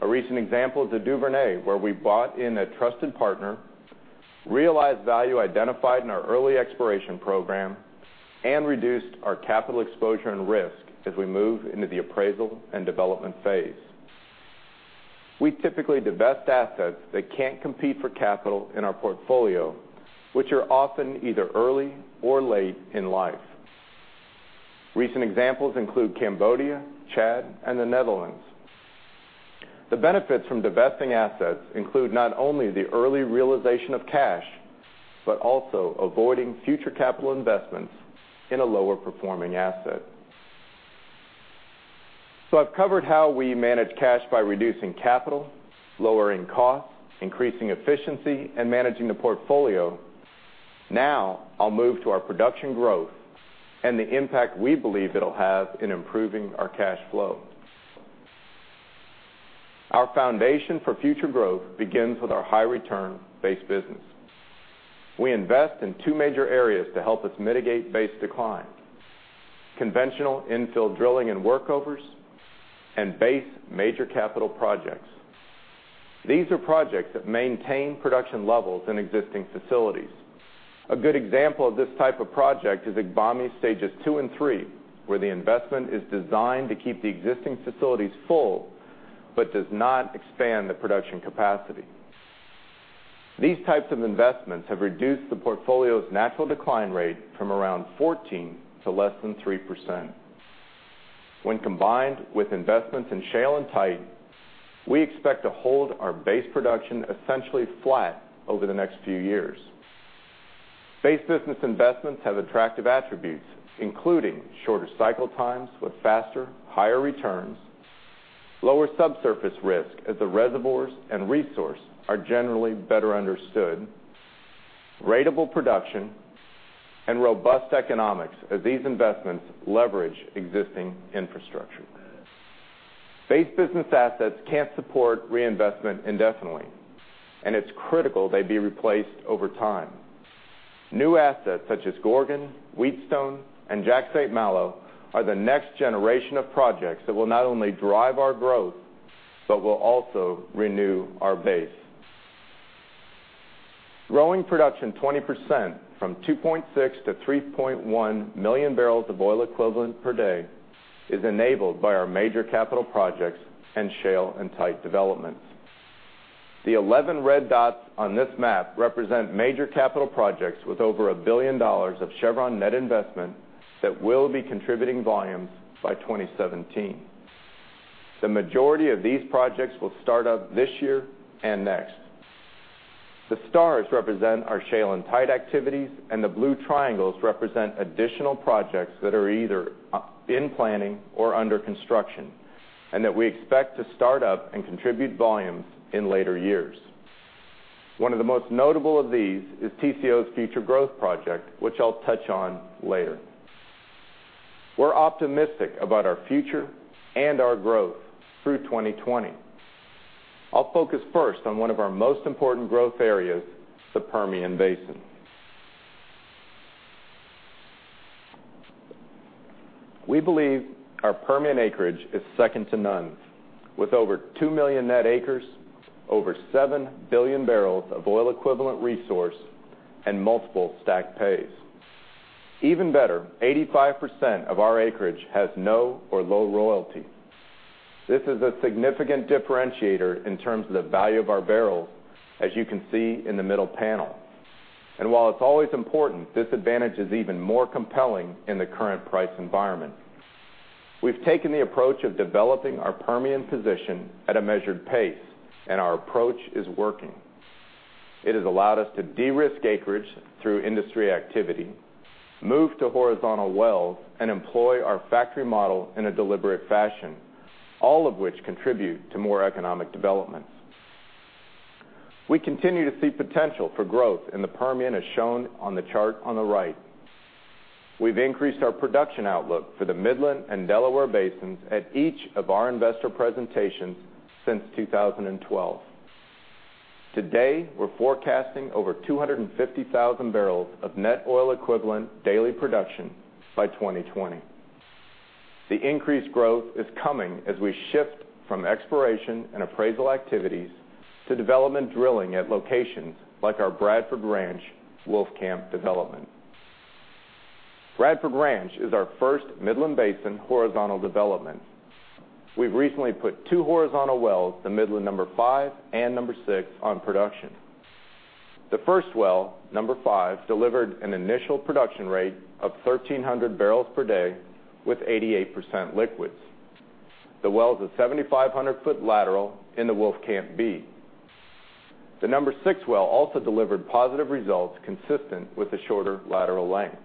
A recent example is the Duvernay, where we brought in a trusted partner, realized value identified in our early exploration program, and reduced our capital exposure and risk as we move into the appraisal and development phase. We typically divest assets that can't compete for capital in our portfolio, which are often either early or late in life. Recent examples include Cambodia, Chad, and the Netherlands. The benefits from divesting assets include not only the early realization of cash, but also avoiding future capital investments in a lower-performing asset. I've covered how we manage cash by reducing capital, lowering costs, increasing efficiency, and managing the portfolio. Now I'll move to our production growth and the impact we believe it'll have in improving our cash flow. Our foundation for future growth begins with our high return base business. We invest in two major areas to help us mitigate base decline, conventional infill drilling and workovers, and base major capital projects. These are projects that maintain production levels in existing facilities. A good example of this type of project is Agbami Stages 2 and 3, where the investment is designed to keep the existing facilities full but does not expand the production capacity. These types of investments have reduced the portfolio's natural decline rate from around 14% to less than 3%. When combined with investments in shale and tight, we expect to hold our base production essentially flat over the next few years. Base business investments have attractive attributes, including shorter cycle times with faster, higher returns, lower subsurface risk as the reservoirs and resource are generally better understood, ratable production, and robust economics as these investments leverage existing infrastructure. Base business assets can't support reinvestment indefinitely, and it's critical they be replaced over time. New assets such as Gorgon, Wheatstone, and Jack/St. Malo are the next generation of projects that will not only drive our growth, but will also renew our base. Growing production 20%, from 2.6 to 3.1 million barrels of oil equivalent per day, is enabled by our major capital projects in shale and tight developments. The 11 red dots on this map represent major capital projects with over $1 billion of Chevron net investment that will be contributing volumes by 2017. The majority of these projects will start up this year and next. The stars represent our shale and tight activities, and the blue triangles represent additional projects that are either in planning or under construction, and that we expect to start up and contribute volumes in later years. One of the most notable of these is TCO's Future Growth Project, which I'll touch on later. We're optimistic about our future and our growth through 2020. I'll focus first on one of our most important growth areas, the Permian Basin. We believe our Permian acreage is second to none, with over 2 million net acres, over 7 billion barrels of oil equivalent resource, and multiple stacked plays. Even better, 85% of our acreage has no or low royalty. This is a significant differentiator in terms of the value of our barrels, as you can see in the middle panel. While it's always important, this advantage is even more compelling in the current price environment. We've taken the approach of developing our Permian position at a measured pace, and our approach is working. It has allowed us to de-risk acreage through industry activity, move to horizontal wells, and employ our factory model in a deliberate fashion, all of which contribute to more economic development. We continue to see potential for growth in the Permian, as shown on the chart on the right. We've increased our production outlook for the Midland and Delaware basins at each of our investor presentations since 2012. Today, we're forecasting over 250,000 barrels of net oil equivalent daily production by 2020. The increased growth is coming as we shift from exploration and appraisal activities to development drilling at locations like our Bradford Ranch Wolfcamp development. Bradford Ranch is our first Midland Basin horizontal development. We've recently put two horizontal wells, the Midland number 5 and number 6, on production. The first well, number 5, delivered an initial production rate of 1,300 barrels per day with 88% liquids. The well is a 7,500-foot lateral in the Wolfcamp B. The number 6 well also delivered positive results consistent with the shorter lateral length.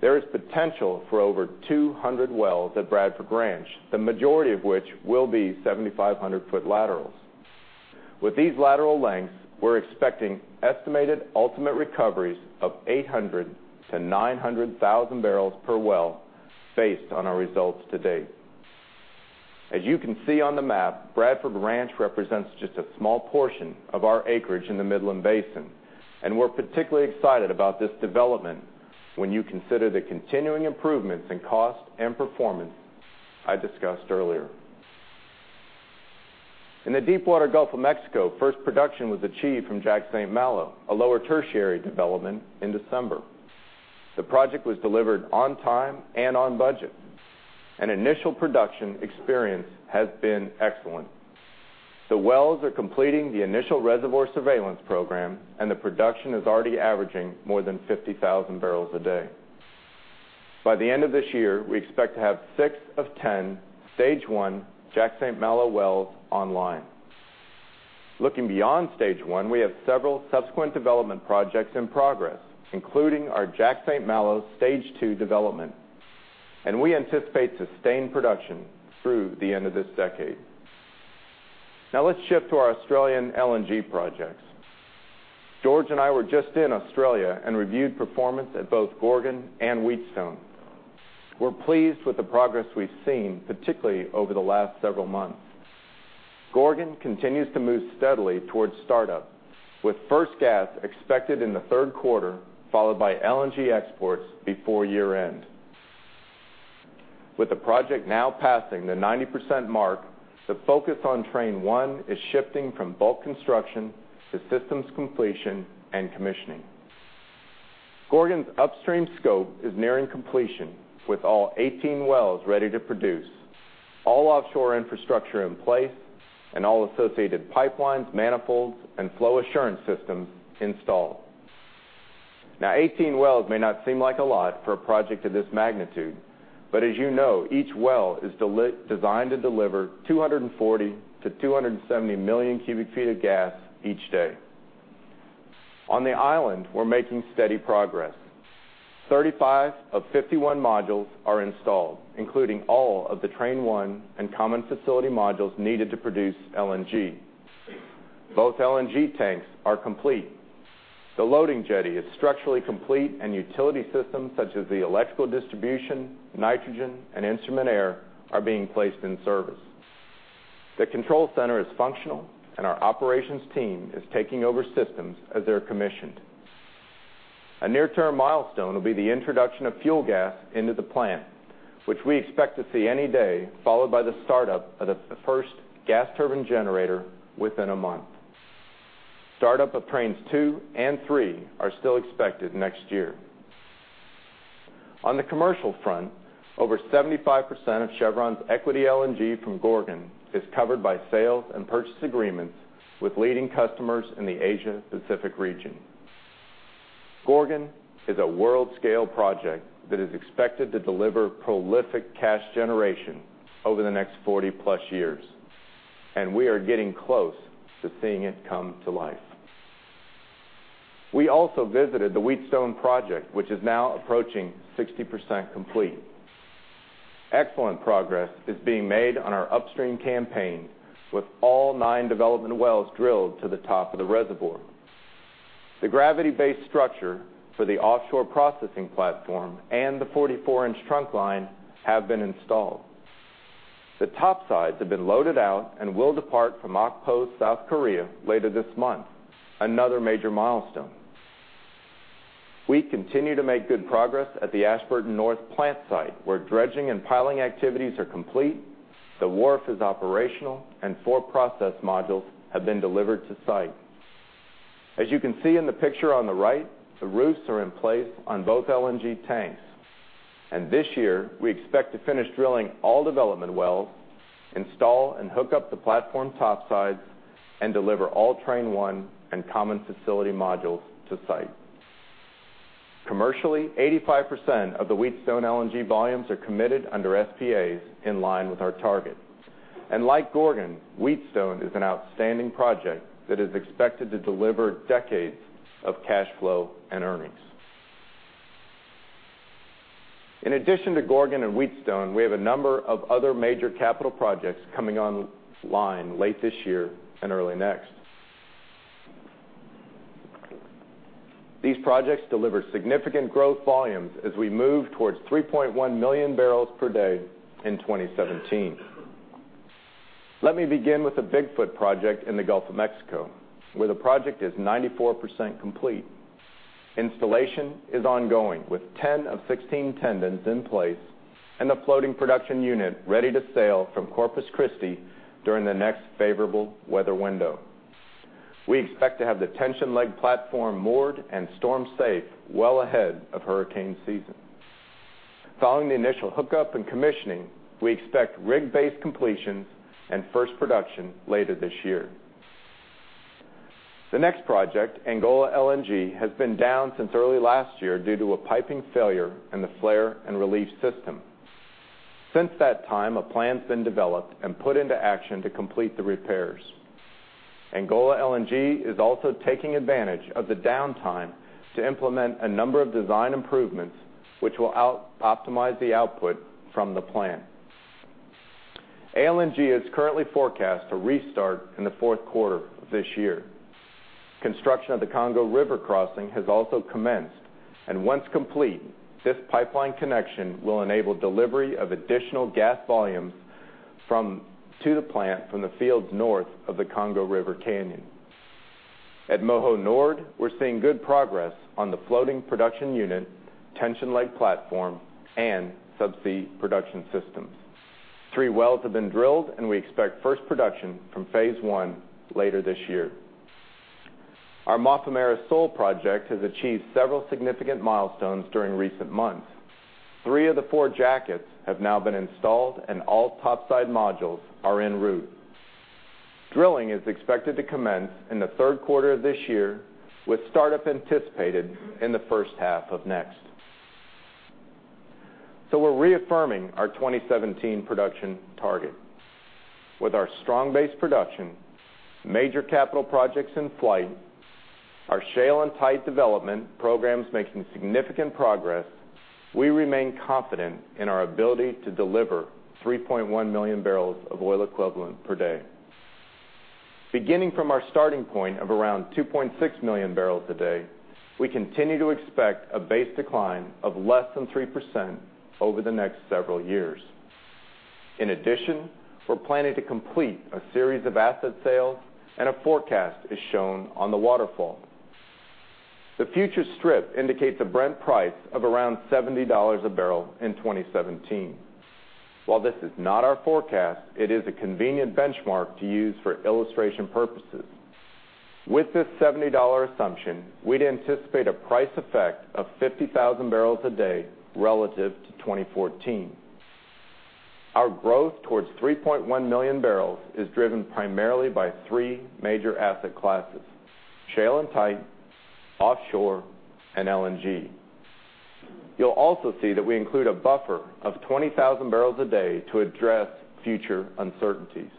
There is potential for over 200 wells at Bradford Ranch, the majority of which will be 7,500-foot laterals. With these lateral lengths, we're expecting estimated ultimate recoveries of 800,000-900,000 barrels per well based on our results to date. As you can see on the map, Bradford Ranch represents just a small portion of our acreage in the Midland Basin. We're particularly excited about this development when you consider the continuing improvements in cost and performance I discussed earlier. In the deepwater Gulf of Mexico, first production was achieved from Jack/St. Malo, a lower tertiary development, in December. The project was delivered on time and on budget. An initial production experience has been excellent. The wells are completing the initial reservoir surveillance program, and the production is already averaging more than 50,000 barrels a day. By the end of this year, we expect to have six of 10 stage 1 Jack/St. Malo wells online. Looking beyond stage 1, we have several subsequent development projects in progress, including our Jack/St. Malo stage 2 development. We anticipate sustained production through the end of this decade. Let's shift to our Australian LNG projects. George and I were just in Australia and reviewed performance at both Gorgon and Wheatstone. We're pleased with the progress we've seen, particularly over the last several months. Gorgon continues to move steadily towards startup, with first gas expected in the third quarter, followed by LNG exports before year-end. With the project now passing the 90% mark, the focus on train 1 is shifting from bulk construction to systems completion and commissioning. Gorgon's upstream scope is nearing completion, with all 18 wells ready to produce, all offshore infrastructure in place, and all associated pipelines, manifolds, and flow assurance systems installed. 18 wells may not seem like a lot for a project of this magnitude, but as you know, each well is designed to deliver 240-270 million cubic feet of gas each day. On the island, we're making steady progress. 35 of 51 modules are installed, including all of the train 1 and common facility modules needed to produce LNG. Both LNG tanks are complete. The loading jetty is structurally complete, and utility systems such as the electrical distribution, nitrogen, and instrument air are being placed in service. The control center is functional, and our operations team is taking over systems as they're commissioned. A near-term milestone will be the introduction of fuel gas into the plant, which we expect to see any day, followed by the startup of the first gas turbine generator within a month. Startup of trains 2 and 3 are still expected next year. On the commercial front, over 75% of Chevron's equity LNG from Gorgon is covered by sales and purchase agreements with leading customers in the Asia Pacific region. Gorgon is a world-scale project that is expected to deliver prolific cash generation over the next 40-plus years, and we are getting close to seeing it come to life. We also visited the Wheatstone project, which is now approaching 60% complete. Excellent progress is being made on our upstream campaign, with all nine development wells drilled to the top of the reservoir. The gravity-based structure for the offshore processing platform and the 44-inch trunk line have been installed. The topsides have been loaded out and will depart from Okpo, South Korea, later this month, another major milestone. We continue to make good progress at the Ashburton North plant site, where dredging and piling activities are complete, the wharf is operational, and four process modules have been delivered to site. As you can see in the picture on the right, the roofs are in place on both LNG tanks, and this year, we expect to finish drilling all development wells, install and hook up the platform topsides, and deliver all train 1 and common facility modules to site. Commercially, 85% of the Wheatstone LNG volumes are committed under SPAs in line with our target. Like Gorgon, Wheatstone is an outstanding project that is expected to deliver decades of cash flow and earnings. In addition to Gorgon and Wheatstone, we have a number of other major capital projects coming online late this year and early next. These projects deliver significant growth volumes as we move towards 3.1 million barrels per day in 2017. Let me begin with the Big Foot project in the Gulf of Mexico, where the project is 94% complete. Installation is ongoing, with 10 of 16 tendons in place and the floating production unit ready to sail from Corpus Christi during the next favorable weather window. We expect to have the tension leg platform moored and storm safe well ahead of hurricane season. Following the initial hookup and commissioning, we expect rig-based completions and first production later this year. The next project, Angola LNG, has been down since early last year due to a piping failure in the flare and relief system. Since that time, a plan's been developed and put into action to complete the repairs. Angola LNG is also taking advantage of the downtime to implement a number of design improvements, which will optimize the output from the plant. ALNG is currently forecast to restart in the fourth quarter of this year. Construction of the Congo River crossing has also commenced. Once complete, this pipeline connection will enable delivery of additional gas volumes to the plant from the fields north of the Congo River Canyon. At Moho Nord, we're seeing good progress on the floating production unit, tension leg platform, and subsea production systems. three wells have been drilled, and we expect first production from phase 1 later this year. Our Mafumeira Sul project has achieved several significant milestones during recent months. three of the four jackets have now been installed, and all topside modules are en route. Drilling is expected to commence in the third quarter of this year, with startup anticipated in the first half of next. We're reaffirming our 2017 production target. With our strong base production, major capital projects in flight, our shale and tight development programs making significant progress, we remain confident in our ability to deliver 3.1 million barrels of oil equivalent per day. Beginning from our starting point of around 2.6 million barrels a day, we continue to expect a base decline of less than 3% over the next several years. In addition, we're planning to complete a series of asset sales, and a forecast is shown on the waterfall. The future strip indicates a Brent price of around $70 a barrel in 2017. While this is not our forecast, it is a convenient benchmark to use for illustration purposes. With this $70 assumption, we'd anticipate a price effect of 50,000 barrels a day relative to 2014. Our growth towards 3.1 million barrels is driven primarily by three major asset classes, shale and tight, offshore, and LNG. You'll also see that we include a buffer of 20,000 barrels a day to address future uncertainties.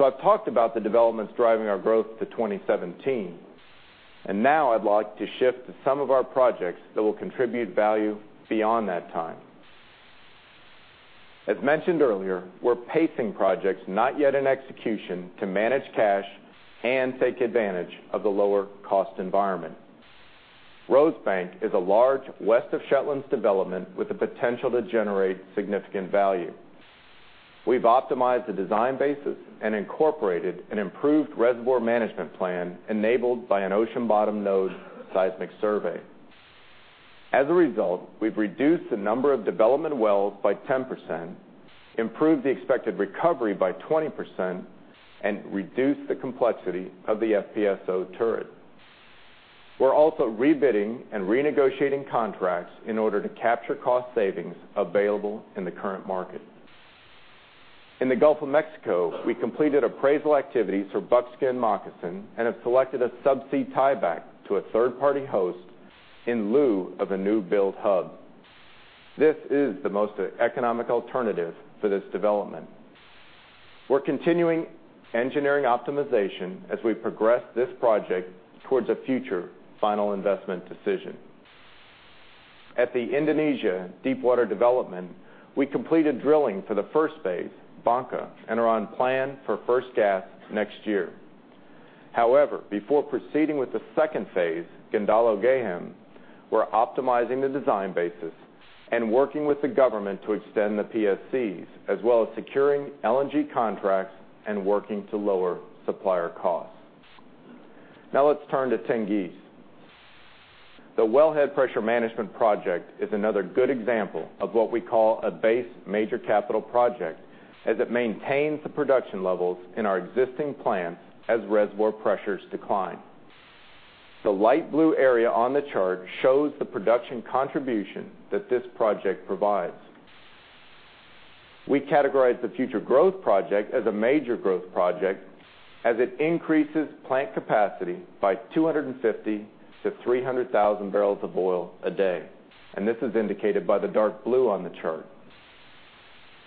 I've talked about the developments driving our growth to 2017. Now I'd like to shift to some of our projects that will contribute value beyond that time. As mentioned earlier, we're pacing projects not yet in execution to manage cash and take advantage of the lower cost environment. Rosebank is a large, west of Shetlands development with the potential to generate significant value. We've optimized the design basis and incorporated an improved reservoir management plan enabled by an ocean bottom node seismic survey. As a result, we've reduced the number of development wells by 10%, improved the expected recovery by 20%, and reduced the complexity of the FPSO turret. We're also rebidding and renegotiating contracts in order to capture cost savings available in the current market. In the Gulf of Mexico, we completed appraisal activities for Buckskin Moccasin and have selected a subsea tieback to a third-party host in lieu of a new build hub. This is the most economic alternative for this development. We're continuing engineering optimization as we progress this project towards a future final investment decision. At the Indonesia Deepwater development, we completed drilling for the phase 1, Bangka, and are on plan for first gas next year. However, before proceeding with the phase 2, Gendalo-Gehem, we're optimizing the design basis and working with the government to extend the PSCs, as well as securing LNG contracts and working to lower supplier costs. Let's turn to Tengiz. The Wellhead Pressure Management project is another good example of what we call a base major capital project as it maintains the production levels in our existing plants as reservoir pressures decline. The light blue area on the chart shows the production contribution that this project provides. We categorize the Future Growth Project as a major growth project, as it increases plant capacity by 250,000-300,000 barrels of oil a day, and this is indicated by the dark blue on the chart.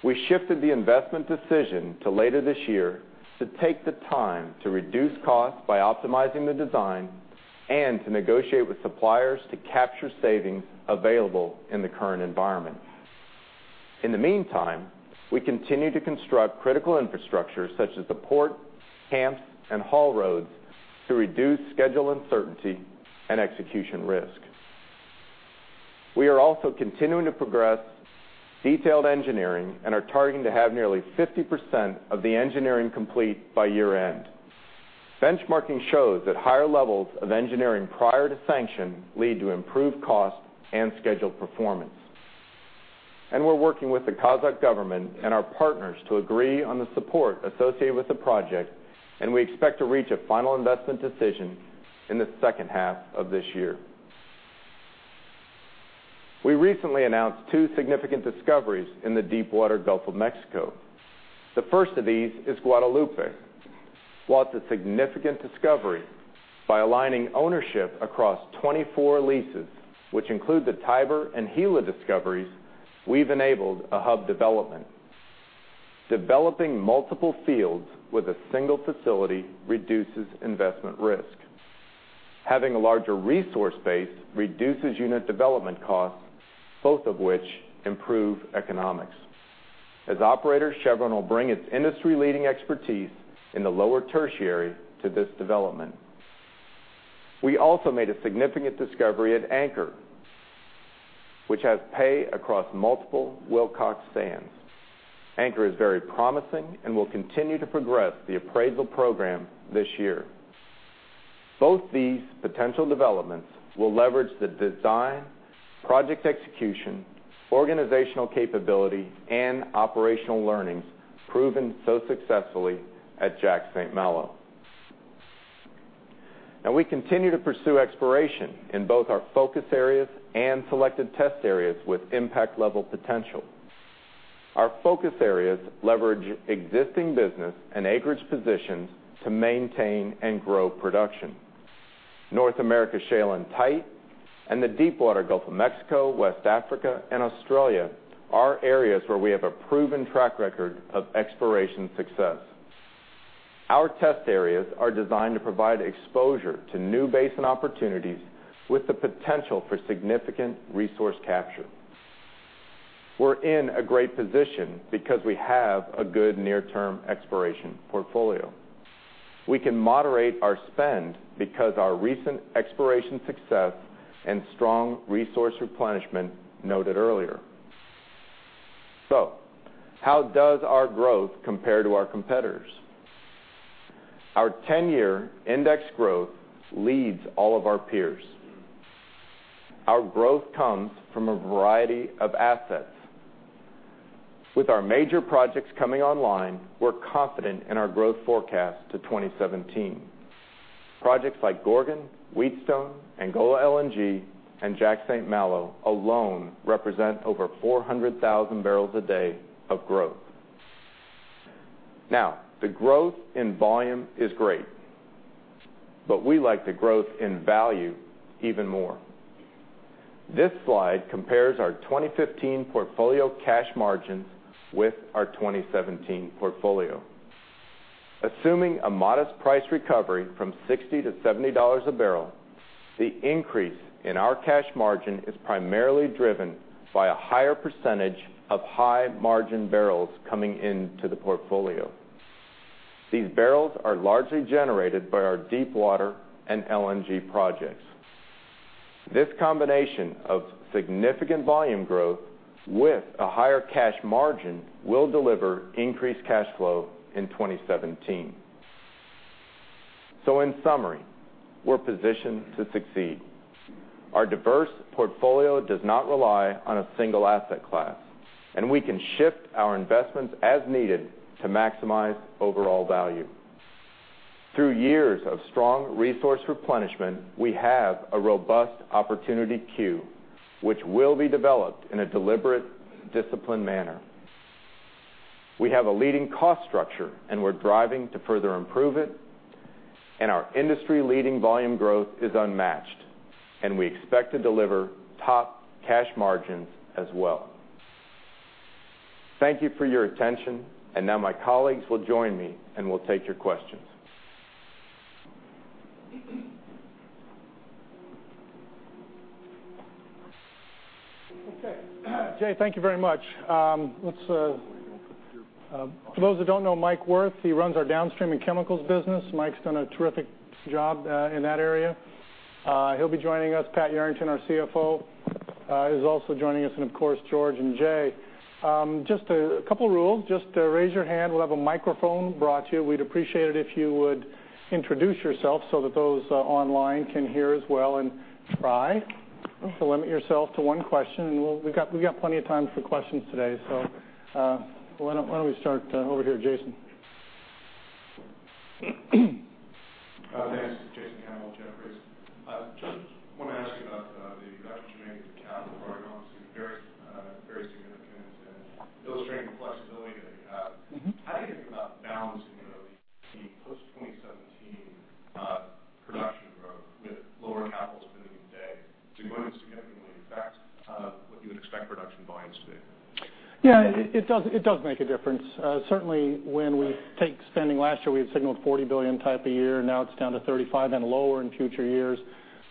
We shifted the investment decision to later this year to take the time to reduce costs by optimizing the design and to negotiate with suppliers to capture savings available in the current environment. In the meantime, we continue to construct critical infrastructure such as the port, camps, and haul roads to reduce schedule uncertainty and execution risk. We are also continuing to progress detailed engineering and are targeting to have nearly 50% of the engineering complete by year-end. Benchmarking shows that higher levels of engineering prior to sanction lead to improved cost and schedule performance. We're working with the Kazakh government and our partners to agree on the support associated with the project, and we expect to reach a final investment decision in the second half of this year. We recently announced two significant discoveries in the deepwater Gulf of Mexico. The first of these is Guadalupe. While it's a significant discovery, by aligning ownership across 24 leases, which include the Tiber and Gila discoveries, we've enabled a hub development. Developing multiple fields with a single facility reduces investment risk. Having a larger resource base reduces unit development costs, both of which improve economics. As operator, Chevron will bring its industry-leading expertise in the lower tertiary to this development. We also made a significant discovery at Anchor, which has pay across multiple Wilcox sands. Anchor is very promising and will continue to progress the appraisal program this year. Both these potential developments will leverage the design, project execution, organizational capability, and operational learnings proven so successfully at Jack/St. Malo. We continue to pursue exploration in both our focus areas and selected test areas with impact-level potential. Our focus areas leverage existing business and acreage positions to maintain and grow production. North America shale and tight, and the deepwater Gulf of Mexico, West Africa, and Australia are areas where we have a proven track record of exploration success. Our test areas are designed to provide exposure to new basin opportunities with the potential for significant resource capture. We're in a great position because we have a good near-term exploration portfolio. We can moderate our spend because our recent exploration success and strong resource replenishment noted earlier. How does our growth compare to our competitors? Our 10-year index growth leads all of our peers. Our growth comes from a variety of assets. With our major projects coming online, we're confident in our growth forecast to 2017. Projects like Gorgon, Wheatstone, Angola LNG, and Jack/St. Malo alone represent over 400,000 barrels a day of growth. The growth in volume is great, but we like the growth in value even more. This slide compares our 2015 portfolio cash margins with our 2017 portfolio. Assuming a modest price recovery from $60-$70 a barrel, the increase in our cash margin is primarily driven by a higher percentage of high-margin barrels coming into the portfolio. These barrels are largely generated by our deepwater and LNG projects. This combination of significant volume growth with a higher cash margin will deliver increased cash flow in 2017. In summary, we're positioned to succeed. Our diverse portfolio does not rely on a single asset class, we can shift our investments as needed to maximize overall value. Through years of strong resource replenishment, we have a robust opportunity queue, which will be developed in a deliberate, disciplined manner. We have a leading cost structure, we're driving to further improve it, our industry-leading volume growth is unmatched, we expect to deliver top cash margins as well. Thank you for your attention, now my colleagues will join me, we'll take your questions. Okay. Jay, thank you very much. For those that don't know Mike Wirth, he runs our Downstream and Chemicals business. Mike's done a terrific job in that area. He'll be joining us. Pat Yarrington, our CFO, is also joining us, of course, George and Jay. Just a couple rules. Just raise your hand. We'll have a microphone brought to you. We'd appreciate it if you would introduce yourself so that those online can hear as well, try to limit yourself to one question, we've got plenty of time for questions today. Why don't we start over here, Jason? Thanks. Jason Gammel, Jefferies. Just want to ask you about the action you're making with the capital program, obviously very significant illustrating the flexibility that you have. How do you think about balancing the post-2017 production growth with lower capital spending today? Is it going to significantly affect what you would expect production volumes to be? Yeah, it does make a difference. Certainly when we take spending last year, we had signaled $40 billion type of year. Now it's down to $35 billion and lower in future years.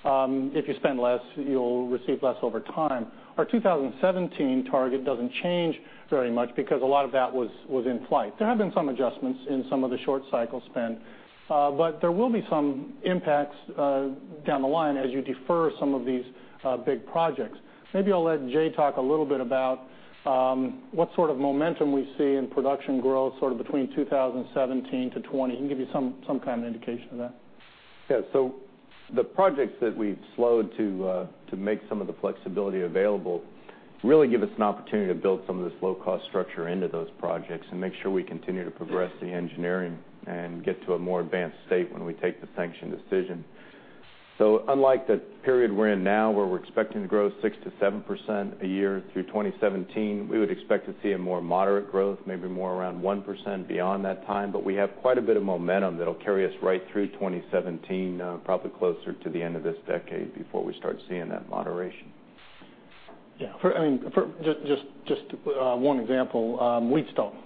If you spend less, you'll receive less over time. Our 2017 target doesn't change very much because a lot of that was in flight. There have been some adjustments in some of the short cycle spend. There will be some impacts down the line as you defer some of these big projects. Maybe I'll let Jay talk a little bit about what sort of momentum we see in production growth sort of between 2017 to 2020. He can give you some kind of indication of that. Yeah. The projects that we've slowed to make some of the flexibility available really give us an opportunity to build some of this low-cost structure into those projects and make sure we continue to progress the engineering and get to a more advanced state when we take the sanction decision. Unlike the period we're in now, where we're expecting to grow 6%-7% a year through 2017, we would expect to see a more moderate growth, maybe more around 1% beyond that time. We have quite a bit of momentum that'll carry us right through 2017, probably closer to the end of this decade before we start seeing that moderation. Yeah. Just one example, Wheatstone.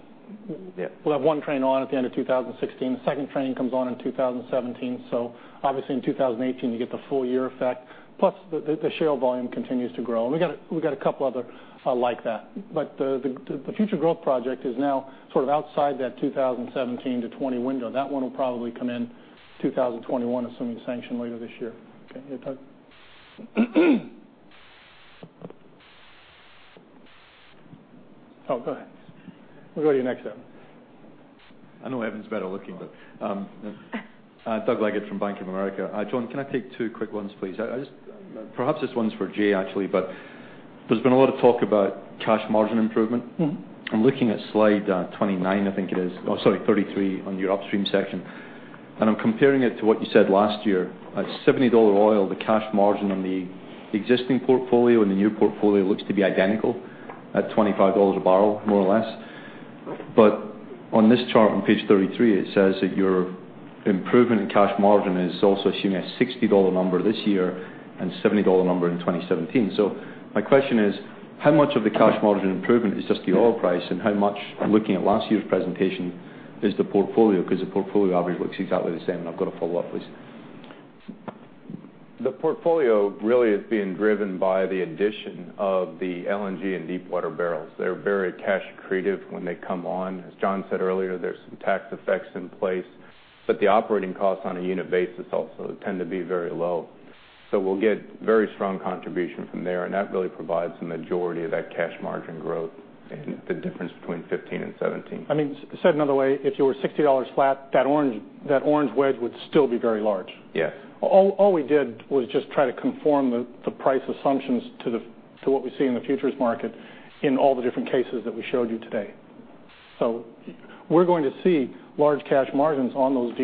We'll have one train on at the end of 2016. The second train comes on in 2017, obviously in 2018 you get the full year effect, plus the shale volume continues to grow. We've got a couple other like that. The Future Growth Project is now sort of outside that 2017 to 2020 window. That one will probably come in 2021, assuming sanction later this year. Okay. Yeah, Todd? Oh, go ahead. We'll go to you next, Evan. I know Evan's better looking, Doug Leggate from Bank of America. John, can I take two quick ones, please? Perhaps this one's for Jay, actually, there's been a lot of talk about cash margin improvement. I'm looking at slide 29, I think it is. Sorry, 33 on your upstream section. I'm comparing it to what you said last year. At $70 oil, the cash margin on the existing portfolio and the new portfolio looks to be identical at $25 a barrel, more or less. On this chart on page 33, it says that your improvement in cash margin is also assuming a $60 number this year and $70 number in 2017. My question is, how much of the cash margin improvement is just the oil price and how much, looking at last year's presentation, is the portfolio, because the portfolio average looks exactly the same? I've got a follow-up, please. The portfolio really is being driven by the addition of the LNG and deepwater barrels. They're very cash creative when they come on. As John said earlier, there's some tax effects in place, the operating costs on a unit basis also tend to be very low. We'll get very strong contribution from there, that really provides the majority of that cash margin growth and the difference between 2015 and 2017. Said another way, if you were $60 flat, that orange wedge would still be very large. Yes. All we did was just try to conform the price assumptions to what we see in the futures market in all the different cases that we showed you today. We're going to see large cash margins on those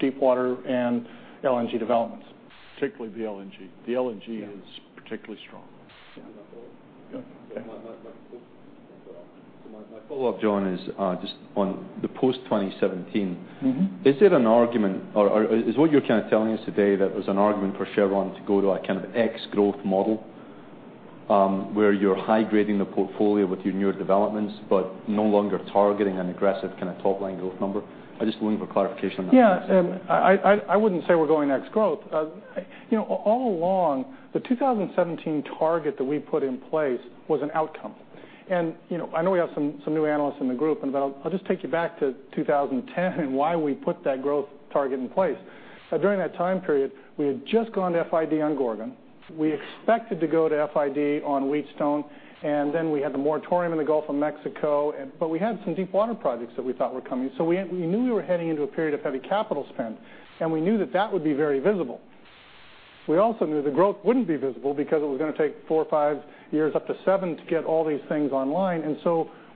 deepwater and LNG developments. Particularly the LNG. The LNG- Yeah is particularly strong. Can I follow up? Go ahead. Yeah. My follow-up, John, is just on the post 2017. Is there an argument, or is what you're kind of telling us today that there's an argument for Chevron to go to a kind of ex-growth model, where you're high-grading the portfolio with your newer developments, but no longer targeting an aggressive kind of top-line growth number? I'm just looking for clarification on that. Yeah. I wouldn't say we're going ex-growth. All along, the 2017 target that we put in place was an outcome. I know we have some new analysts in the group, but I'll just take you back to 2010 and why we put that growth target in place. During that time period, we had just gone to FID on Gorgon. We expected to go to FID on Wheatstone, and then we had the moratorium in the Gulf of Mexico, but we had some deepwater projects that we thought were coming. We knew we were heading into a period of heavy capital spend, and we knew that that would be very visible. We also knew the growth wouldn't be visible because it was going to take four or five years, up to seven, to get all these things online.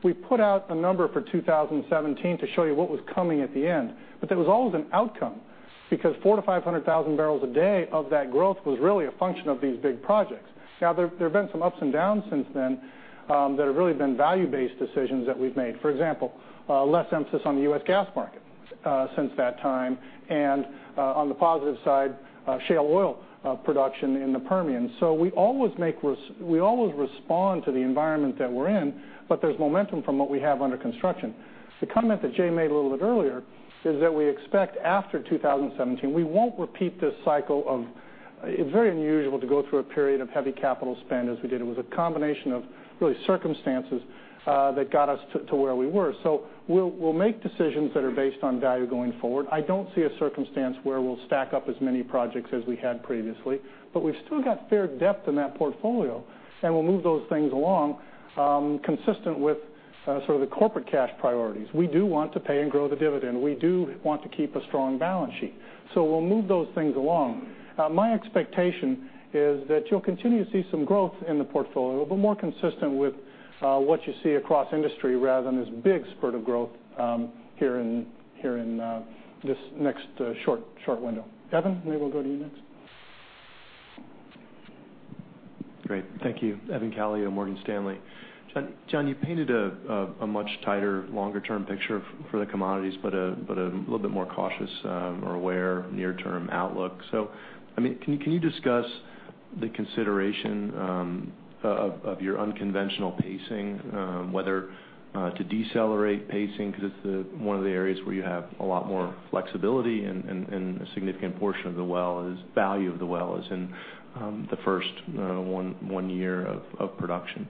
We put out a number for 2017 to show you what was coming at the end. That was always an outcome, because four to 500,000 barrels a day of that growth was really a function of these big projects. There have been some ups and downs since then that have really been value-based decisions that we've made. For example, less emphasis on the U.S. gas market since that time. On the positive side, shale oil production in the Permian. We always respond to the environment that we're in, but there's momentum from what we have under construction. The comment that Jay made a little bit earlier is that we expect after 2017, we won't repeat this. It's very unusual to go through a period of heavy capital spend as we did. It was a combination of really circumstances that got us to where we were. We'll make decisions that are based on value going forward. I don't see a circumstance where we'll stack up as many projects as we had previously, but we've still got fair depth in that portfolio, and we'll move those things along, consistent with sort of the corporate cash priorities. We do want to pay and grow the dividend. We do want to keep a strong balance sheet. We'll move those things along. My expectation is that you'll continue to see some growth in the portfolio, but more consistent with what you see across industry rather than this big spurt of growth here in this next short window. Evan, maybe we'll go to you next. Great. Thank you. Evan Calio, Morgan Stanley. John, you painted a much tighter longer-term picture for the commodities, but a little bit more cautious or aware near-term outlook. Can you discuss the consideration of your unconventional pacing, whether to decelerate pacing? Because it's one of the areas where you have a lot more flexibility and a significant portion of the well is value of the well is in the first one year of production.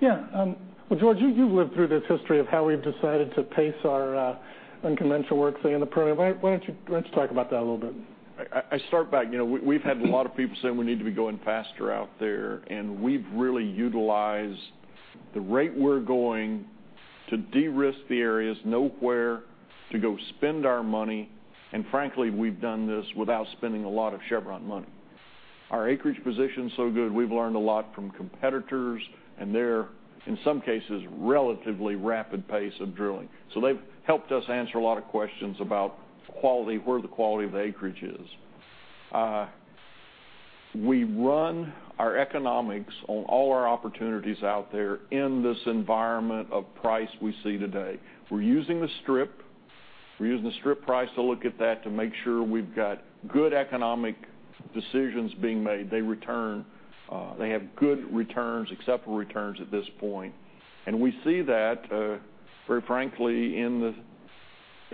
Yeah. Well, George, you've lived through this history of how we've decided to pace our unconventional work thing in the Permian. Why don't you talk about that a little bit? I start back. We've had a lot of people saying we need to be going faster out there, we've really utilized the rate we're going to de-risk the areas, know where to go spend our money, and frankly, we've done this without spending a lot of Chevron money. Our acreage position's so good, we've learned a lot from competitors and their, in some cases, relatively rapid pace of drilling. They've helped us answer a lot of questions about where the quality of the acreage is. We run our economics on all our opportunities out there in this environment of price we see today. We're using the strip price to look at that to make sure we've got good economic decisions being made. They have good returns, acceptable returns at this point. We see that very frankly, in the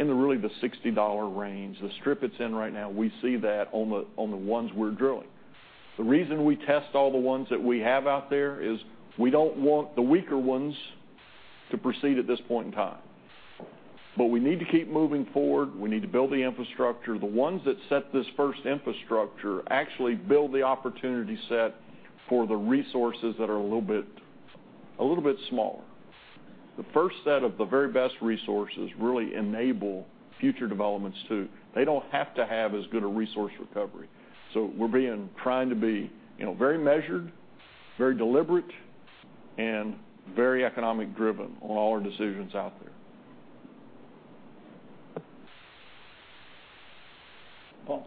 really the $60 range. The strip it's in right now, we see that on the ones we're drilling. The reason we test all the ones that we have out there is we don't want the weaker ones to proceed at this point in time. We need to keep moving forward. We need to build the infrastructure. The ones that set this first infrastructure actually build the opportunity set for the resources that are a little bit smaller. The first set of the very best resources really enable future developments, too. They don't have to have as good a resource recovery. We're trying to be very measured, very deliberate, and very economic driven on all our decisions out there. Paul.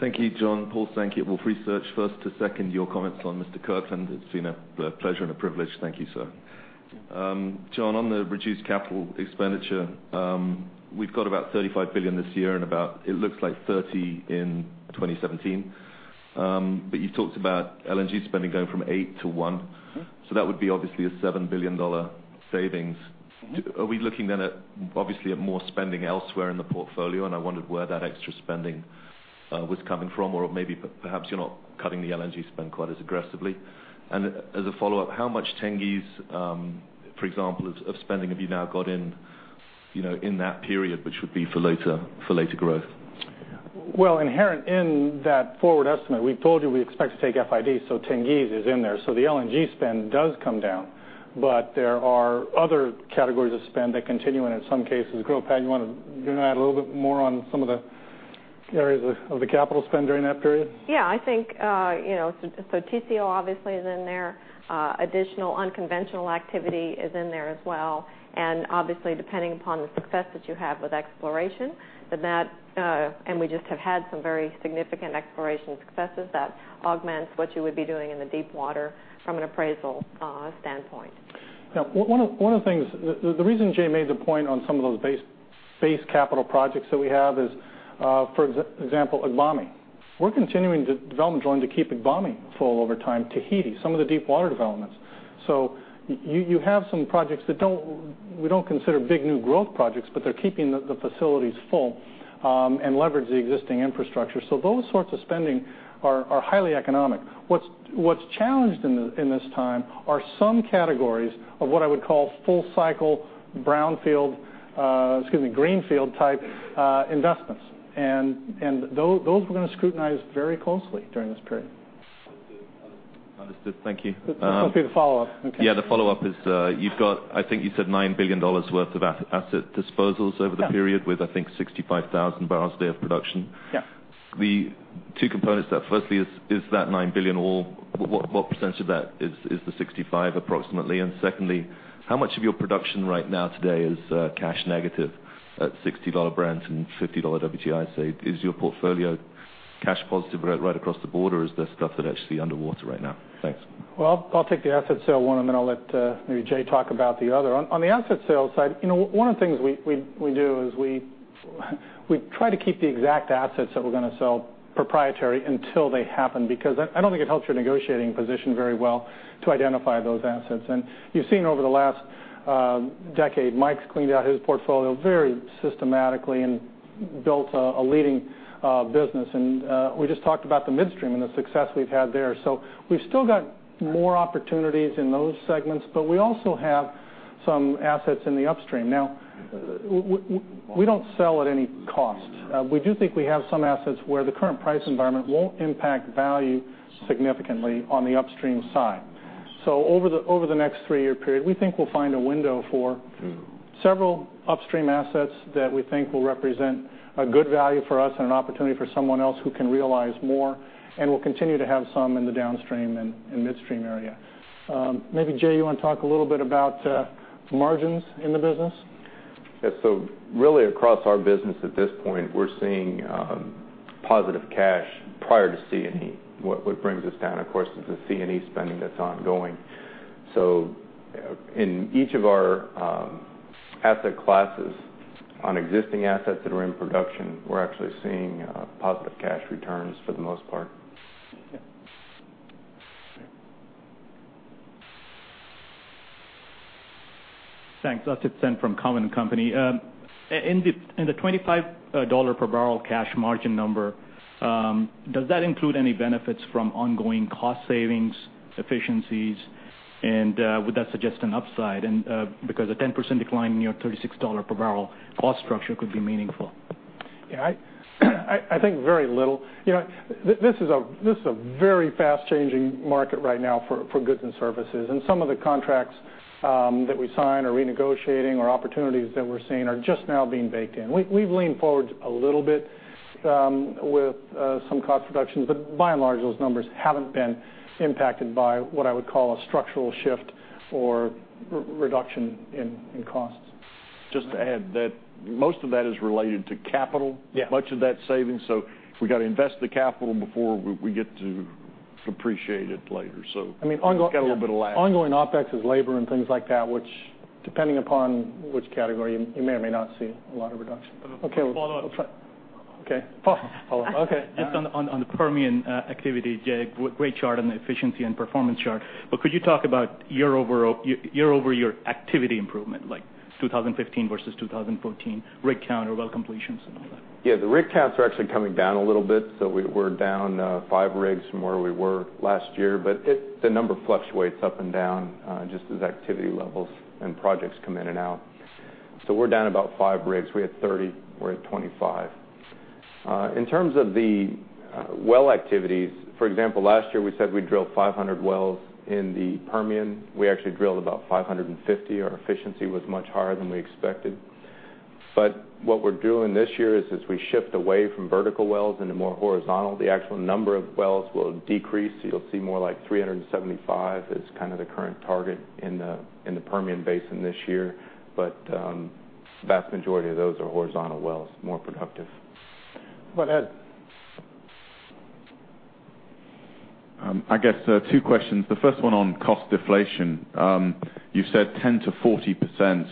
Thank you, John. Paul, thank you. Wolfe Research. First, to second your comments on Mr. Kirkland, it's been a pleasure and a privilege. Thank you, sir. John, on the reduced capital expenditure, we've got about $35 billion this year and about, it looks like $30 billion in 2017. You talked about LNG spending going from eight to one. That would be obviously a $7 billion savings. Are we looking then at, obviously, at more spending elsewhere in the portfolio, and I wondered where that extra spending was coming from, or maybe perhaps you're not cutting the LNG spend quite as aggressively. As a follow-up, how much Tengiz, for example, of spending have you now got in that period, which would be for later growth? Inherent in that forward estimate, we've told you we expect to take FID, Tengiz is in there. The LNG spend does come down, but there are other categories of spend that continue and in some cases grow. Pat, you want to add a little bit more on some of the areas of the capital spend during that period? I think, Tengizchevroil obviously is in there. Additional unconventional activity is in there as well, and obviously, depending upon the success that you have with exploration, and we just have had some very significant exploration successes that augments what you would be doing in the deep water from an appraisal standpoint. One of the things, the reason Jay made the point on some of those base capital projects that we have is, for example, Agbami. We're continuing development drilling to keep Agbami full over time, Tahiti, some of the deep water developments. You have some projects that we don't consider big new growth projects, but they're keeping the facilities full and leverage the existing infrastructure. Those sorts of spending are highly economic. What's challenged in this time are some categories of what I would call full cycle brownfield, excuse me, greenfield type investments, and those we're going to scrutinize very closely during this period. Understood. Thank you. There's supposed to be a follow-up. Okay. Yeah, the follow-up is, you've got, I think you said $9 billion worth of asset disposals over the period. Yeah with, I think, 65,000 barrels a day of production. Yeah. The two components of that. Firstly, is that $9 billion, or what percentage of that is the 65 approximately? And secondly, how much of your production right now today is cash negative at $60 Brent and $50 WTI, say? Is your portfolio cash positive right across the board, or is there stuff that's actually underwater right now? Thanks. I'll take the asset sale one, and then I'll let maybe Jay talk about the other. On the asset sales side, one of the things we do is we try to keep the exact assets that we're going to sell proprietary until they happen, because I don't think it helps your negotiating position very well to identify those assets. You've seen over the last decade, Mike's cleaned out his portfolio very systematically and built a leading business. We just talked about the midstream and the success we've had there. We've still got more opportunities in those segments, but we also have some assets in the upstream. Now, we don't sell at any cost. We do think we have some assets where the current price environment won't impact value significantly on the upstream side. Over the next three-year period, we think we'll find a window for several upstream assets that we think will represent a good value for us and an opportunity for someone else who can realize more, and we'll continue to have some in the downstream and midstream area. Maybe Jay, you want to talk a little bit about margins in the business? Really across our business at this point, we're seeing positive cash prior to C&E. What brings us down, of course, is the C&E spending that's ongoing. In each of our asset classes on existing assets that are in production, we're actually seeing positive cash returns for the most part. Great. Thanks. Asit Sen from Cowen and Company. In the $25 per barrel cash margin number, does that include any benefits from ongoing cost savings, efficiencies, would that suggest an upside? Because a 10% decline in your $36 per barrel cost structure could be meaningful. Yeah. I think very little. This is a very fast-changing market right now for goods and services, and some of the contracts that we sign are renegotiating or opportunities that we're seeing are just now being baked in. We've leaned forward a little bit with some cost reductions, but by and large those numbers haven't been impacted by what I would call a structural shift or reduction in costs. Just to add that most of that is related to capital. Yeah. Much of that saving. We've got to invest the capital before we get to appreciate it later. It's got a little bit of lag. Ongoing OpEx is labor and things like that, which depending upon which category, you may or may not see a lot of reduction. Okay. Follow-up. Okay. Paul. Okay. Just on the Permian activity, Jay, great chart on the efficiency and performance chart. Could you talk about year-over-year activity improvement, like 2015 versus 2014, rig count or well completions and all that? Yeah, the rig counts are actually coming down a little bit. We're down five rigs from where we were last year, but the number fluctuates up and down just as activity levels and projects come in and out. We're down about five rigs. We had 30. We're at 25. In terms of the well activities, for example, last year we said we'd drill 500 wells in the Permian. We actually drilled about 550. Our efficiency was much higher than we expected. What we're doing this year is, as we shift away from vertical wells into more horizontal, the actual number of wells will decrease. You'll see more like 375 as kind of the current target in the Permian Basin this year. The vast majority of those are horizontal wells, more productive. How about Ed? I guess two questions. The first one on cost deflation. You said 10% to 40%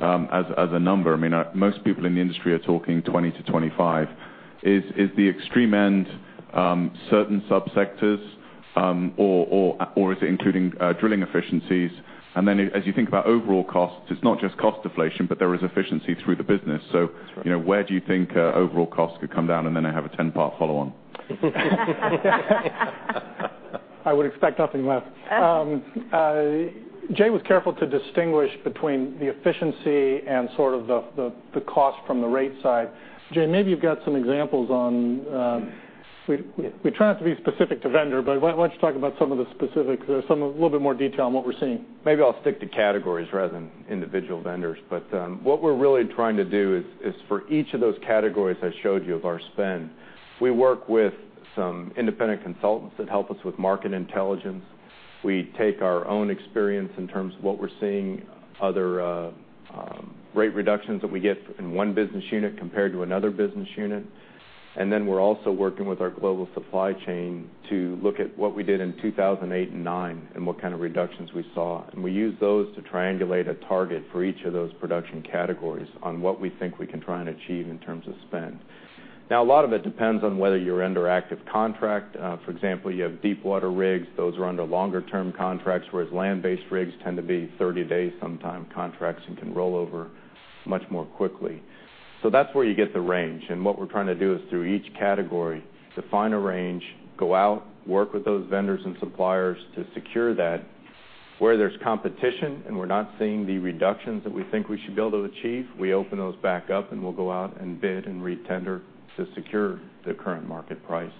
as a number. Most people in the industry are talking 20% to 25%. Is the extreme end certain sub-sectors or is it including drilling efficiencies? As you think about overall costs, it's not just cost deflation, but there is efficiency through the business. That's right. Where do you think overall costs could come down? I have a 10-part follow on. I would expect nothing less. Jay was careful to distinguish between the efficiency and sort of the cost from the rate side. Jay, maybe you've got some examples. We try not to be specific to vendor, but why don't you talk about some of the specifics, a little bit more detail on what we're seeing? Maybe I'll stick to categories rather than individual vendors. What we're really trying to do is for each of those categories I showed you of our spend, we work with some independent consultants that help us with market intelligence. We take our own experience in terms of what we're seeing, other rate reductions that we get in one business unit compared to another business unit. Then we're also working with our global supply chain to look at what we did in 2008 and 2009, and what kind of reductions we saw. We use those to triangulate a target for each of those production categories on what we think we can try and achieve in terms of spend. A lot of it depends on whether you're under active contract. For example, you have deep water rigs, those are under longer term contracts, whereas land-based rigs tend to be 30-day sometime contracts and can roll over much more quickly. That's where you get the range, and what we're trying to do is through each category, define a range, go out, work with those vendors and suppliers to secure that. Where there's competition and we're not seeing the reductions that we think we should be able to achieve, we open those back up, and we'll go out and bid and re-tender to secure the current market price.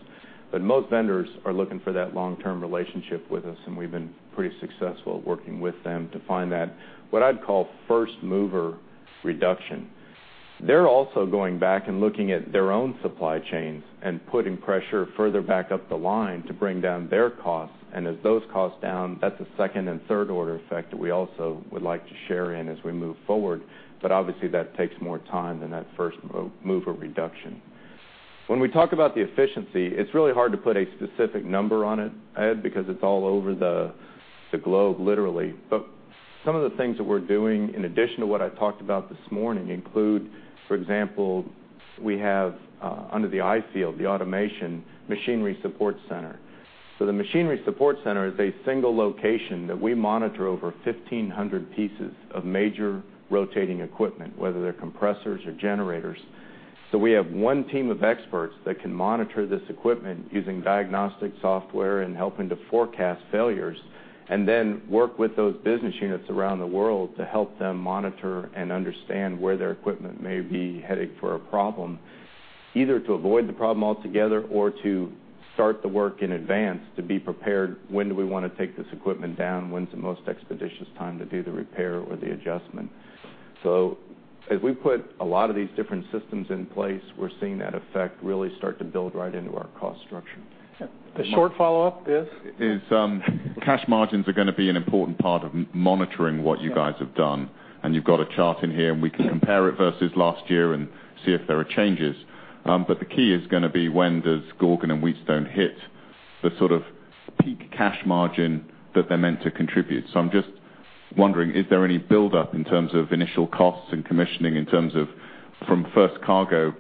Most vendors are looking for that long-term relationship with us, and we've been pretty successful working with them to find that, what I'd call first mover reduction. They're also going back and looking at their own supply chains and putting pressure further back up the line to bring down their costs. As those costs down, that's a second and third order effect that we also would like to share in as we move forward. Obviously, that takes more time than that first mover reduction. When we talk about the efficiency, it's really hard to put a specific number on it, Ed, because it's all over the globe, literally. Some of the things that we're doing, in addition to what I talked about this morning, include, for example, we have under the i-field, the automation machinery support center. The machinery support center is a single location that we monitor over 1,500 pieces of major rotating equipment, whether they're compressors or generators. We have one team of experts that can monitor this equipment using diagnostic software and helping to forecast failures, and then work with those business units around the world to help them monitor and understand where their equipment may be heading for a problem, either to avoid the problem altogether or to start the work in advance to be prepared when do we want to take this equipment down, when's the most expeditious time to do the repair or the adjustment. As we put a lot of these different systems in place, we're seeing that effect really start to build right into our cost structure. The short follow-up is? Cash margins are going to be an important part of monitoring what you guys have done, you've got a chart in here, and we can compare it versus last year and see if there are changes. The key is going to be when does Gorgon and Wheatstone hit the sort of peak cash margin that they're meant to contribute. I'm just wondering, is there any buildup in terms of initial costs and commissioning in terms of from first cargo,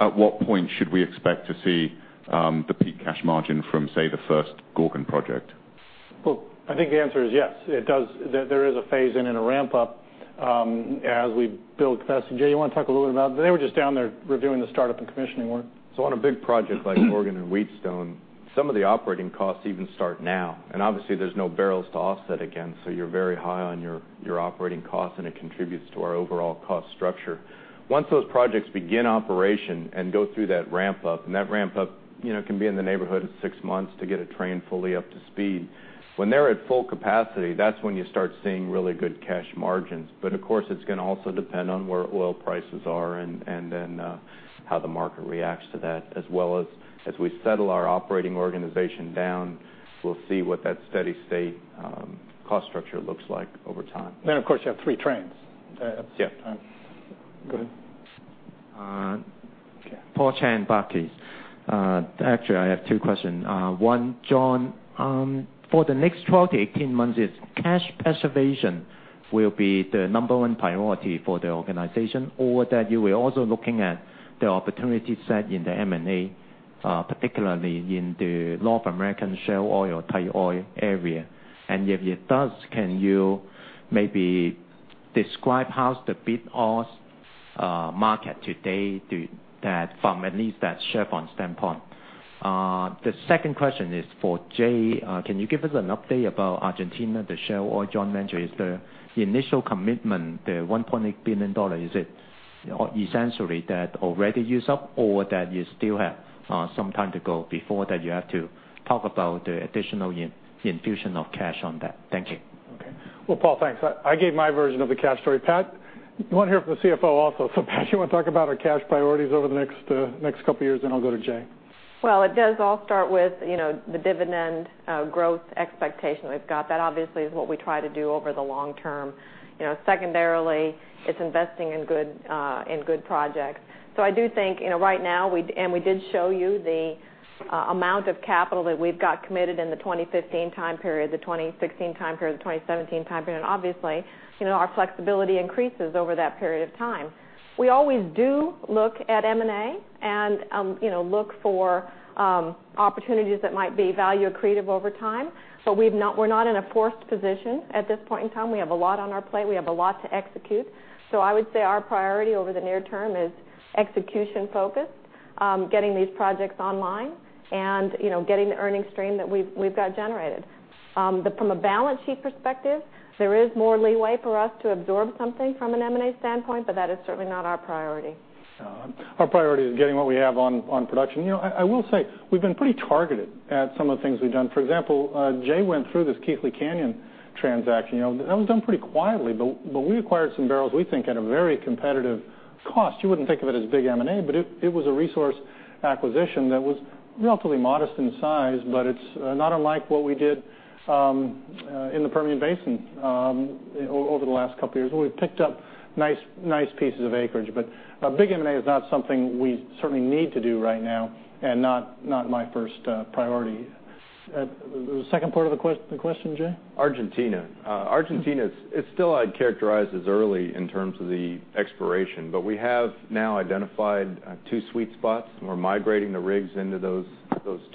at what point should we expect to see the peak cash margin from, say, the first Gorgon project? I think the answer is yes. There is a phase-in and a ramp-up as we build capacity. Jay, you want to talk a little bit about it? They were just down there reviewing the startup and commissioning work. On a big project like Gorgon and Wheatstone, some of the operating costs even start now. Obviously there's no barrels to offset against, so you're very high on your operating costs, and it contributes to our overall cost structure. Once those projects begin operation and go through that ramp-up, and that ramp-up can be in the neighborhood of six months to get a train fully up to speed. When they're at full capacity, that's when you start seeing really good cash margins. Of course, it's going to also depend on where oil prices are and then how the market reacts to that. As well as we settle our operating organization down, we'll see what that steady state cost structure looks like over time. Of course, you have three trains. Yes. Go ahead. Paul Cheng, Barclays. Actually, I have two questions. One, John, for the next 12 to 18 months, cash preservation will be the number 1 priority for the organization, or that you are also looking at the opportunity set in the M&A, particularly in the North American shale oil, tight oil area. If it does, can you maybe describe how's the bid-ask market today from at least that Chevron standpoint? The second question is for Jay. Can you give us an update about Argentina, the shale oil joint venture? Is the initial commitment, the $1.8 billion, is it essentially that already used up, or that you still have some time to go before that you have to talk about the additional infusion of cash on that? Thank you. Okay. Well, Paul, thanks. I gave my version of the cash story. Pat, you want to hear from the CFO also. Pat, you want to talk about our cash priorities over the next couple of years, then I'll go to Jay. Well, it does all start with the dividend growth expectation we've got. That obviously is what we try to do over the long term. Secondarily, it's investing in good projects. I do think, right now, and we did show you the amount of capital that we've got committed in the 2015 time period, the 2016 time period, the 2017 time period, and obviously, our flexibility increases over that period of time. We always do look at M&A and look for opportunities that might be value accretive over time. We're not in a forced position at this point in time. We have a lot on our plate. We have a lot to execute. I would say our priority over the near term is execution-focused, getting these projects online and getting the earnings stream that we've got generated. From a balance sheet perspective, there is more leeway for us to absorb something from an M&A standpoint, that is certainly not our priority. Our priority is getting what we have on production. I will say we've been pretty targeted at some of the things we've done. For example, Jay went through this Keathley Canyon transaction. That was done pretty quietly, we acquired some barrels, we think, at a very competitive cost. You wouldn't think of it as big M&A, it was a resource acquisition that was relatively modest in size, it's not unlike what we did in the Permian Basin over the last couple of years, where we've picked up nice pieces of acreage. A big M&A is not something we certainly need to do right now and not my first priority. The second part of the question, Jay? Argentina. Argentina, it's still I'd characterize as early in terms of the exploration, but we have now identified two sweet spots, and we're migrating the rigs into those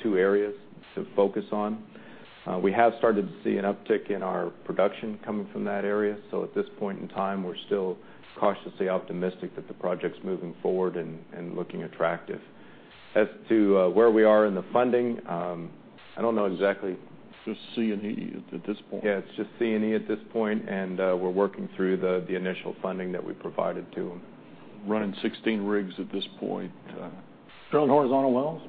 two areas to focus on. We have started to see an uptick in our production coming from that area. At this point in time, we're still cautiously optimistic that the project's moving forward and looking attractive. As to where we are in the funding, I don't know exactly. Just C&E at this point. Yeah, it's just C&E at this point, and we're working through the initial funding that we provided to them. Running 16 rigs at this point. Drilling horizontal wells?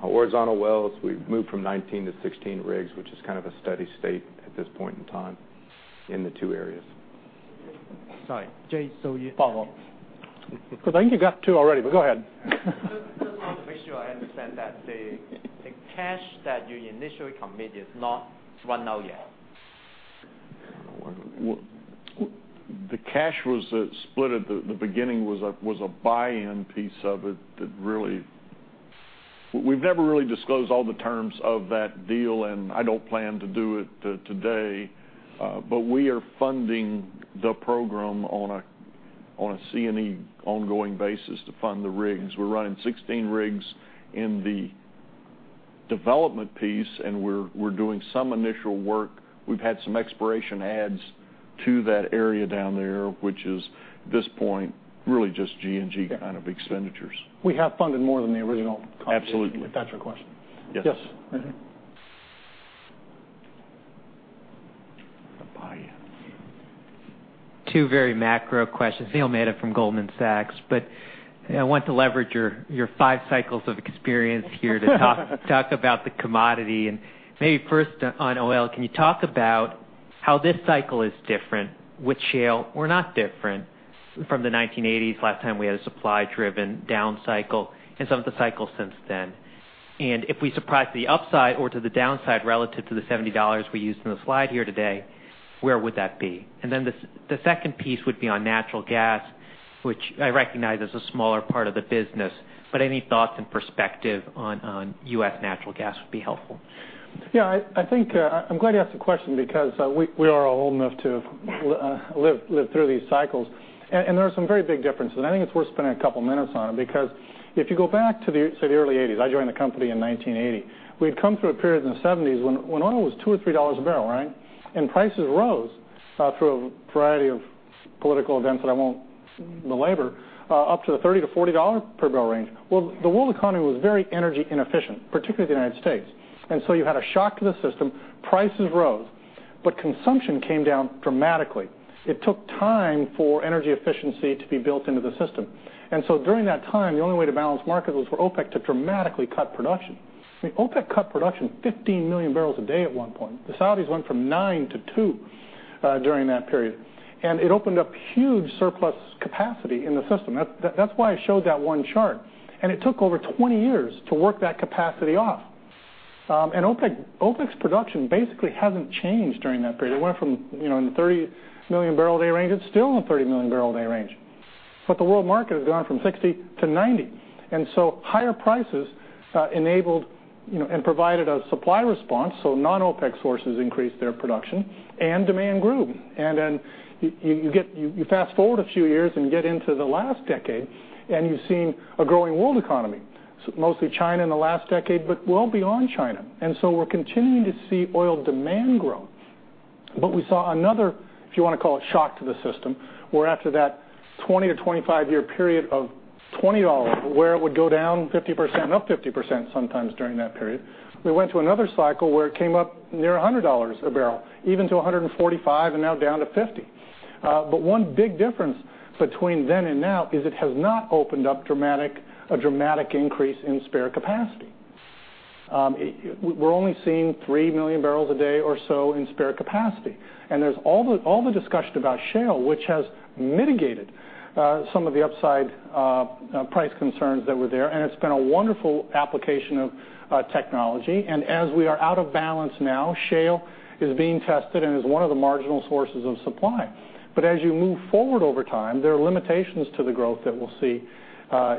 Horizontal wells. We've moved from 19 to 16 rigs, which is kind of a steady state at this point in time in the two areas. Sorry, Jay. Follow-up. I think you got two already, go ahead. I just want to make sure I understand that the cash that you initially committed is not run out yet. The cash was split at the beginning, was a buy-in piece of it that. We've never really disclosed all the terms of that deal, I don't plan to do it today. We are funding the program on a C&E ongoing basis to fund the rigs. We're running 16 rigs in the development piece, we're doing some initial work. We've had some exploration adds to that area down there, which is, at this point, really just G&G kind of expenditures. We have funded more than the original. Absolutely. If that's your question. Yes. Yes. Mm-hmm. The buy-in. Two very macro questions. Neil Mehta from Goldman Sachs. I want to leverage your five cycles of experience here to talk about the commodity and maybe first on oil. Can you talk about how this cycle is different with shale or not different from the 1980s, last time we had a supply-driven down cycle, and some of the cycles since then? If we surprise to the upside or to the downside relative to the $70 we used in the slide here today, where would that be? The second piece would be on natural gas, which I recognize is a smaller part of the business, but any thoughts and perspective on U.S. natural gas would be helpful. Yeah, I'm glad you asked the question because we are old enough to have lived through these cycles, and there are some very big differences. I think it's worth spending a couple of minutes on it, because if you go back to the early '80s, I joined the company in 1980. We had come through a period in the '70s when oil was $2 or $3 a barrel, right? Prices rose through a variety of political events that I won't belabor, up to the $30 to $40 per barrel range. Well, the world economy was very energy inefficient, particularly the U.S. You had a shock to the system, prices rose, but consumption came down dramatically. It took time for energy efficiency to be built into the system. During that time, the only way to balance markets was for OPEC to dramatically cut production. I mean, OPEC cut production 15 million barrels a day at one point. The Saudis went from nine to two during that period, and it opened up huge surplus capacity in the system. That's why I showed that one chart. It took over 20 years to work that capacity off. OPEC's production basically hasn't changed during that period. It went from, in the 30 million barrel a day range. It's still in the 30 million barrel a day range. The world market has gone from 60 to 90. Higher prices enabled and provided a supply response, so non-OPEC sources increased their production, and demand grew. You fast-forward a few years and get into the last decade, and you've seen a growing world economy, mostly China in the last decade, but well beyond China. We're continuing to see oil demand grow. We saw another, if you want to call it shock to the system, where after that 20-25-year period of $20, where it would go down 50% and up 50% sometimes during that period, we went to another cycle where it came up near $100 a barrel, even to $145, and now down to $50. One big difference between then and now is it has not opened up a dramatic increase in spare capacity. We're only seeing 3 million barrels a day or so in spare capacity, and there's all the discussion about shale, which has mitigated some of the upside price concerns that were there, and it's been a wonderful application of technology. As we are out of balance now, shale is being tested and is one of the marginal sources of supply. As you move forward over time, there are limitations to the growth that we'll see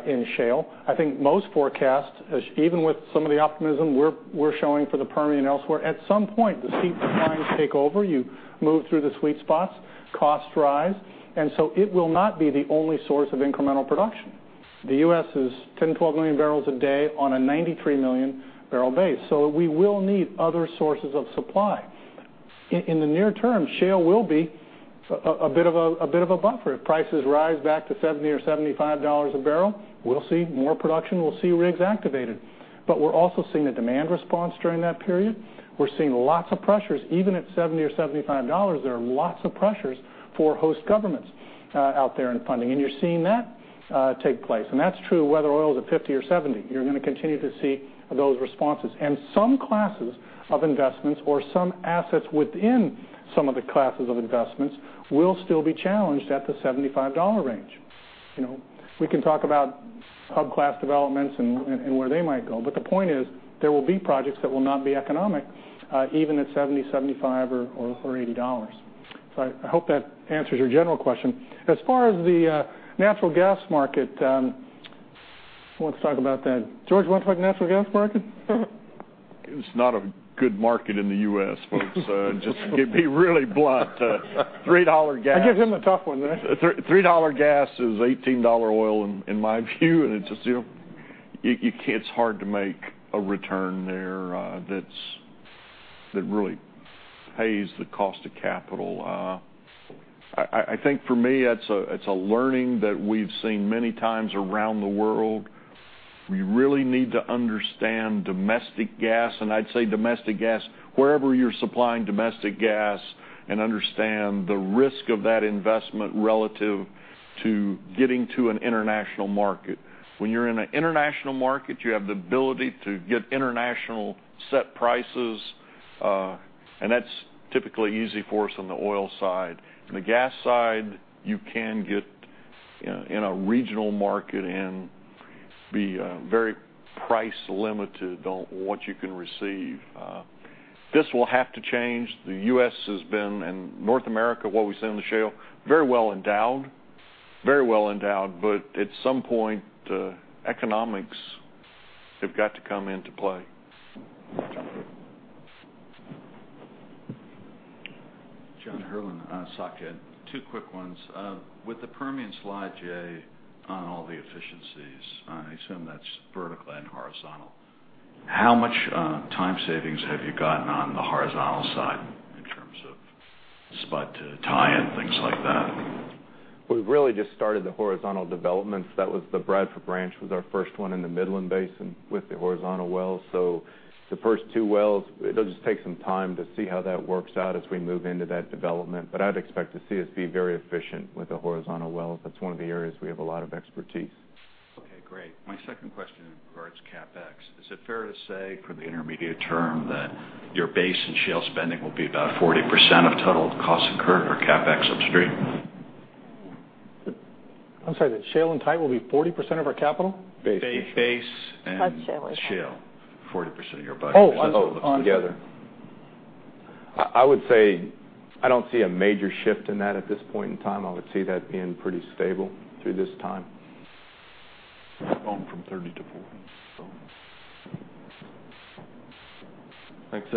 in shale. I think most forecasts, even with some of the optimism we're showing for the Permian elsewhere, at some point the steep declines take over. You move through the sweet spots, costs rise, and so it will not be the only source of incremental production. The U.S. is 10-12 million barrels a day on a 93-million-barrel base, we will need other sources of supply. In the near term, shale will be a bit of a buffer. If prices rise back to $70 or $75 a barrel, we'll see more production, we'll see rigs activated. We're also seeing a demand response during that period. We're seeing lots of pressures, even at $70 or $75. There are lots of pressures for host governments out there in funding, you're seeing that take place, and that's true whether oil is at $50 or $70. You're going to continue to see those responses, and some classes of investments or some assets within some of the classes of investments will still be challenged at the $75 range. We can talk about hub class developments and where they might go, the point is there will be projects that will not be economic even at $70, $75, or $80. I hope that answers your general question. As far as the natural gas market, who wants to talk about that? George, you want to talk natural gas market? It's not a good market in the U.S., just to be really blunt, $3 gas- I give him the tough one $3 gas is $18 oil in my view. It's hard to make a return there that really pays the cost of capital. I think for me, it's a learning that we've seen many times around the world. We really need to understand domestic gas, and I'd say domestic gas, wherever you're supplying domestic gas, and understand the risk of that investment relative to getting to an international market. When you're in an international market, you have the ability to get international set prices, and that's typically easy for us on the oil side. On the gas side, you can get in a regional market and be very price limited on what you can receive. This will have to change. The U.S. has been, North America, what we've seen on the shale, very well endowed. Very well endowed, at some point, economics have got to come into play. John Herrlin, SocGen. Two quick ones. With the Permian slide, Jay, on all the efficiencies, I assume that's vertical and horizontal. How much time savings have you gotten on the horizontal side in terms of spud to tie-in, things like that? We've really just started the horizontal developments. The Bradford Ranch was our first one in the Midland Basin with the horizontal wells. The first two wells, it'll just take some time to see how that works out as we move into that development. I'd expect to see us be very efficient with the horizontal wells. That's one of the areas we have a lot of expertise. Okay, great. My second question regards CapEx. Is it fair to say for the intermediate term that your base and shale spending will be about 40% of total costs incurred for CapEx upstream? I'm sorry, the shale and tight will be 40% of our capital? Base. Base. Base and shale. 40% of your budget all together. I would say I don't see a major shift in that at this point in time. I would see that being pretty stable through this time. It's gone from 30 to 40. Thanks.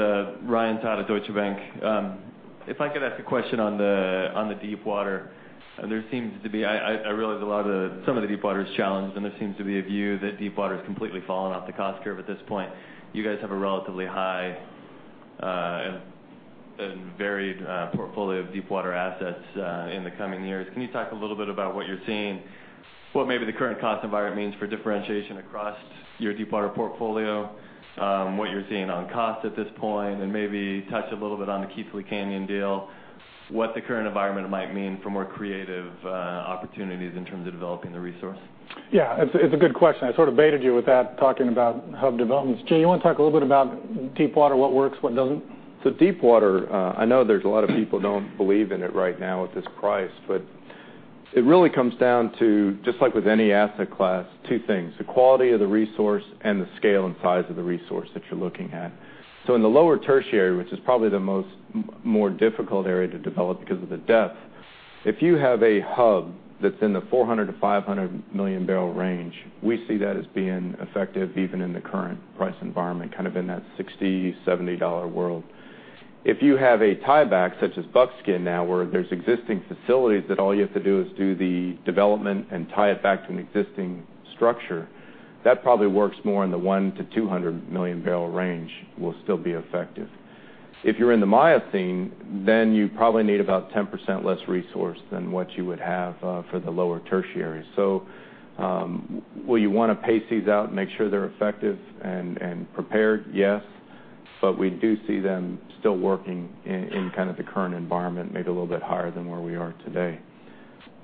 Ryan Todd at Deutsche Bank. I could ask a question on the deep water. I realize some of the deep water is challenged, there seems to be a view that deep water has completely fallen off the cost curve at this point. You guys have a relatively high and varied portfolio of deepwater assets in the coming years. Can you talk a little bit about what you're seeing, what maybe the current cost environment means for differentiation across your deepwater portfolio, what you're seeing on cost at this point, and maybe touch a little bit on the Keathley Canyon deal, what the current environment might mean for more creative opportunities in terms of developing the resource? Yeah, it's a good question. I sort of baited you with that, talking about hub developments. Jay, you want to talk a little bit about deep water, what works, what doesn't? Deep water, I know there's a lot of people don't believe in it right now at this price, it really comes down to, just like with any asset class, two things, the quality of the resource and the scale and size of the resource that you're looking at. In the lower tertiary, which is probably the more difficult area to develop because of the depth, if you have a hub that's in the 400 million-500 million barrel range, we see that as being effective even in the current price environment, kind of in that $60, $70 world. If you have a tieback, such as Buckskin now, where there's existing facilities that all you have to do is do the development and tie it back to an existing structure. That probably works more in the 1 million-200 million barrel range, will still be effective. If you're in the Miocene, you probably need about 10% less resource than what you would have for the lower Tertiary. Will you want to pace these out and make sure they're effective and prepared? Yes. We do see them still working in the current environment, maybe a little bit higher than where we are today.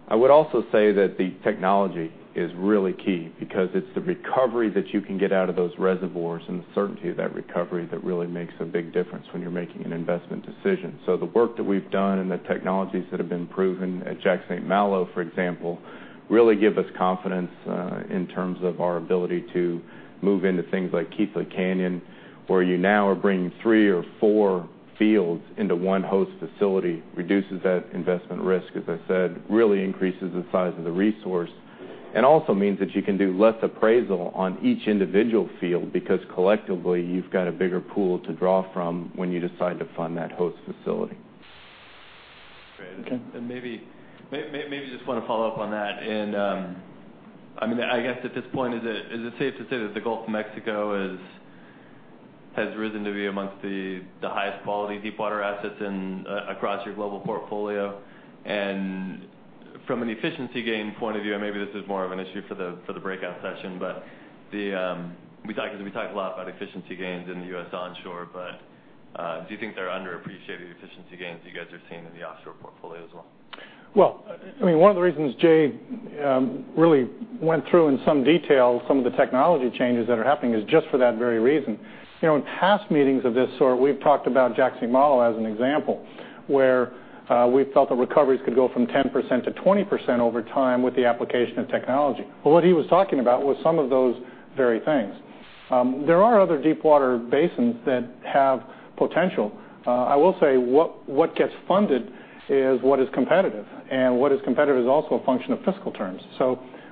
I would also say that the technology is really key because it's the recovery that you can get out of those reservoirs and the certainty of that recovery that really makes a big difference when you're making an investment decision. The work that we've done and the technologies that have been proven at Jack/St. Malo, for example, really give us confidence in terms of our ability to move into things like Keathley Canyon, where you now are bringing three or four fields into one host facility, reduces that investment risk, as I said, really increases the size of the resource, and also means that you can do less appraisal on each individual field, because collectively you've got a bigger pool to draw from when you decide to fund that host facility. Great. Okay. Maybe just want to follow up on that in, I guess at this point, is it safe to say that the Gulf of Mexico has risen to be amongst the highest quality deepwater assets across your global portfolio? From an efficiency gain point of view, and maybe this is more of an issue for the breakout session, we talked a lot about efficiency gains in the U.S. onshore, do you think they're underappreciating the efficiency gains that you guys are seeing in the offshore portfolio as well? Well, one of the reasons Jay really went through in some detail some of the technology changes that are happening is just for that very reason. In past meetings of this sort, we've talked about Jack/St. Malo as an example, where we felt the recoveries could go from 10%-20% over time with the application of technology. What he was talking about was some of those very things. There are other deepwater basins that have potential. I will say what gets funded is what is competitive, and what is competitive is also a function of fiscal terms.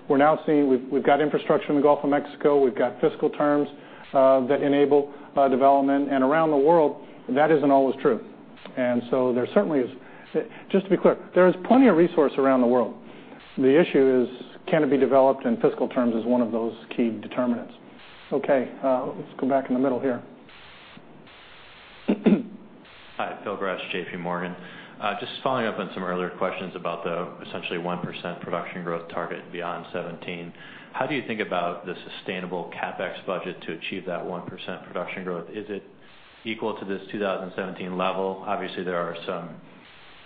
We're now seeing we've got infrastructure in the Gulf of Mexico, we've got fiscal terms that enable development. Around the world, that isn't always true. There certainly is. Just to be clear, there is plenty of resource around the world. The issue is can it be developed, and fiscal terms is one of those key determinants. Let's go back in the middle here. Hi, Phil Gresh, JPMorgan. Just following up on some earlier questions about the essentially 1% production growth target beyond 2017. How do you think about the sustainable CapEx budget to achieve that 1% production growth? Is it equal to this 2017 level? Obviously, there are some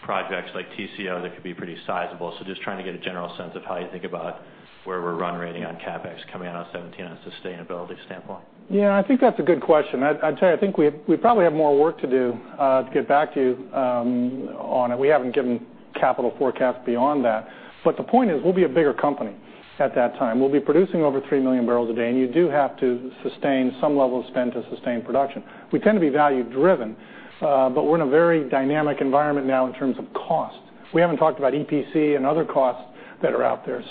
projects like TCO that could be pretty sizable. Just trying to get a general sense of how you think about where we're run rating on CapEx coming out of 2017 on a sustainability standpoint. I think that's a good question. I'd say I think we probably have more work to do to get back to you on it. We haven't given capital forecasts beyond that. The point is, we'll be a bigger company at that time. We'll be producing over 3 million barrels a day, and you do have to sustain some level of spend to sustain production. We tend to be value driven, but we're in a very dynamic environment now in terms of cost. We haven't talked about EPC and other costs that are out there.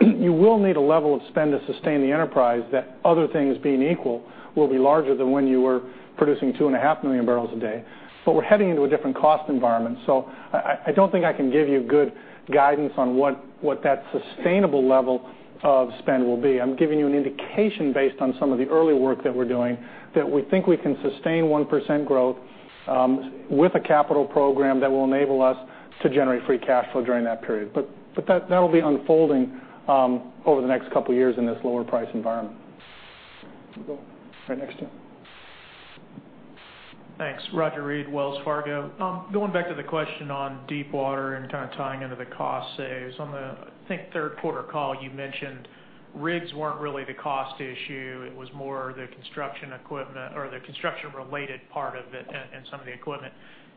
You will need a level of spend to sustain the enterprise that, other things being equal, will be larger than when you were producing 2.5 million barrels a day. We're heading into a different cost environment. I don't think I can give you good guidance on what that sustainable level of spend will be. I'm giving you an indication based on some of the early work that we're doing, that we think we can sustain 1% growth with a capital program that will enable us to generate free cash flow during that period. That will be unfolding over the next couple of years in this lower price environment. Go right next to you. Thanks. Roger Read, Wells Fargo. Going back to the question on deepwater and kind of tying into the cost saves, on the, I think, third quarter call you mentioned rigs weren't really the cost issue, it was more the construction equipment or the construction-related part of it and some of the equipment.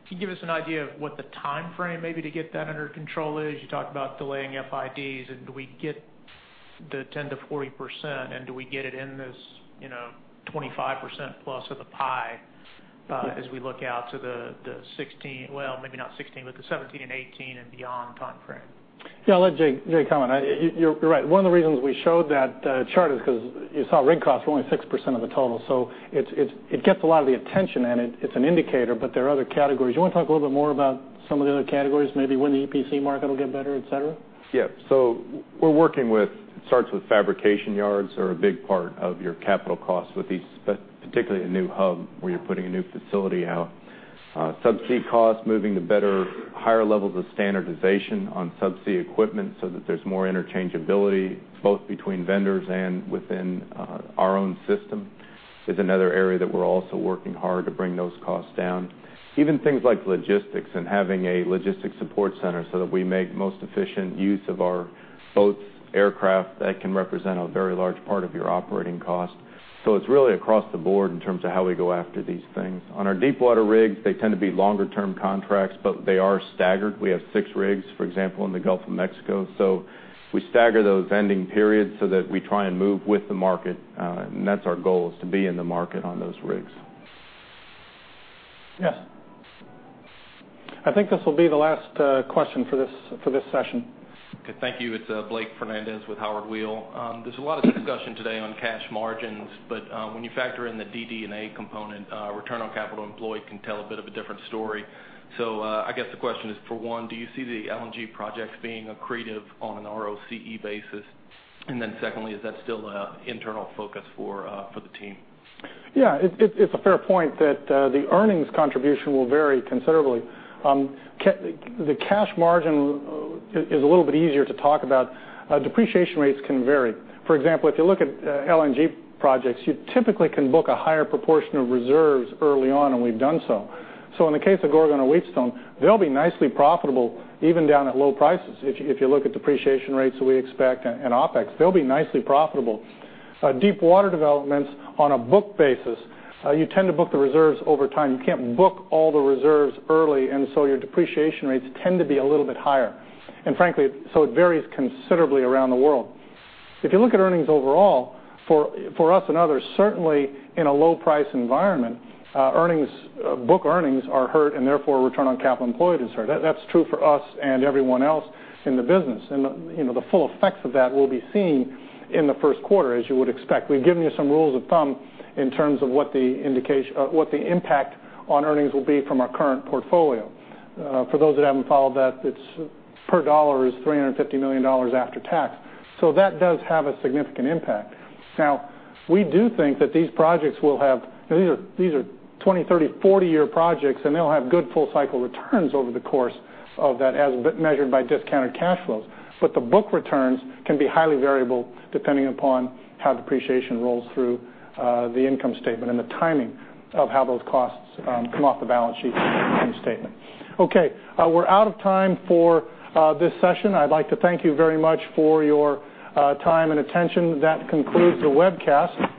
Can you give us an idea of what the timeframe maybe to get that under control is? You talked about delaying FIDs, and do we get the 10%-40%, and do we get it in this 25%+ of the pie as we look out to the 2016, well, maybe not 2016, but the 2017 and 2018 and beyond timeframe? Yeah, I'll let Jay comment. You're right. One of the reasons we showed that chart is because you saw rig costs were only 6% of the total. It gets a lot of the attention, and it's an indicator, but there are other categories. You want to talk a little bit more about some of the other categories, maybe when the EPC market will get better, et cetera? Yeah. We're working with, it starts with fabrication yards are a big part of your capital costs with these, particularly a new hub where you're putting a new facility out. Subsea costs, moving to better, higher levels of standardization on subsea equipment so that there's more interchangeability both between vendors and within our own system is another area that we're also working hard to bring those costs down. Even things like logistics and having a logistics support center so that we make most efficient use of our boats, aircraft, that can represent a very large part of your operating cost. It's really across the board in terms of how we go after these things. On our deepwater rigs, they tend to be longer term contracts, but they are staggered. We have six rigs, for example, in the Gulf of Mexico. We stagger those ending periods so that we try and move with the market. That's our goal is to be in the market on those rigs. Yes. I think this will be the last question for this session. Okay, thank you. It's Blake Fernandez with Howard Weil. There's a lot of discussion today on cash margins, but when you factor in the DD&A component, return on capital employed can tell a bit of a different story. I guess the question is for one, do you see the LNG projects being accretive on an ROCE basis? Secondly, is that still an internal focus for the team? Yeah. It's a fair point that the earnings contribution will vary considerably. The cash margin is a little bit easier to talk about. Depreciation rates can vary. For example, if you look at LNG projects, you typically can book a higher proportion of reserves early on, and we've done so. In the case of Gorgon and Wheatstone, they'll be nicely profitable even down at low prices. If you look at depreciation rates that we expect and OpEx, they'll be nicely profitable. Deepwater developments on a book basis, you tend to book the reserves over time. You can't book all the reserves early, your depreciation rates tend to be a little bit higher. Frankly, it varies considerably around the world. If you look at earnings overall, for us and others, certainly in a low price environment, book earnings are hurt and therefore return on capital employed is hurt. That's true for us and everyone else in the business. The full effects of that will be seen in the first quarter, as you would expect. We've given you some rules of thumb in terms of what the impact on earnings will be from our current portfolio. For those that haven't followed that, it's per dollar is $350 million after tax. That does have a significant impact. Now, we do think that these projects are 20, 30, 40-year projects. They'll have good full-cycle returns over the course of that as measured by discounted cash flows. The book returns can be highly variable depending upon how depreciation rolls through the income statement and the timing of how those costs come off the balance sheet in the statement. Okay. We're out of time for this session. I'd like to thank you very much for your time and attention. That concludes the webcast.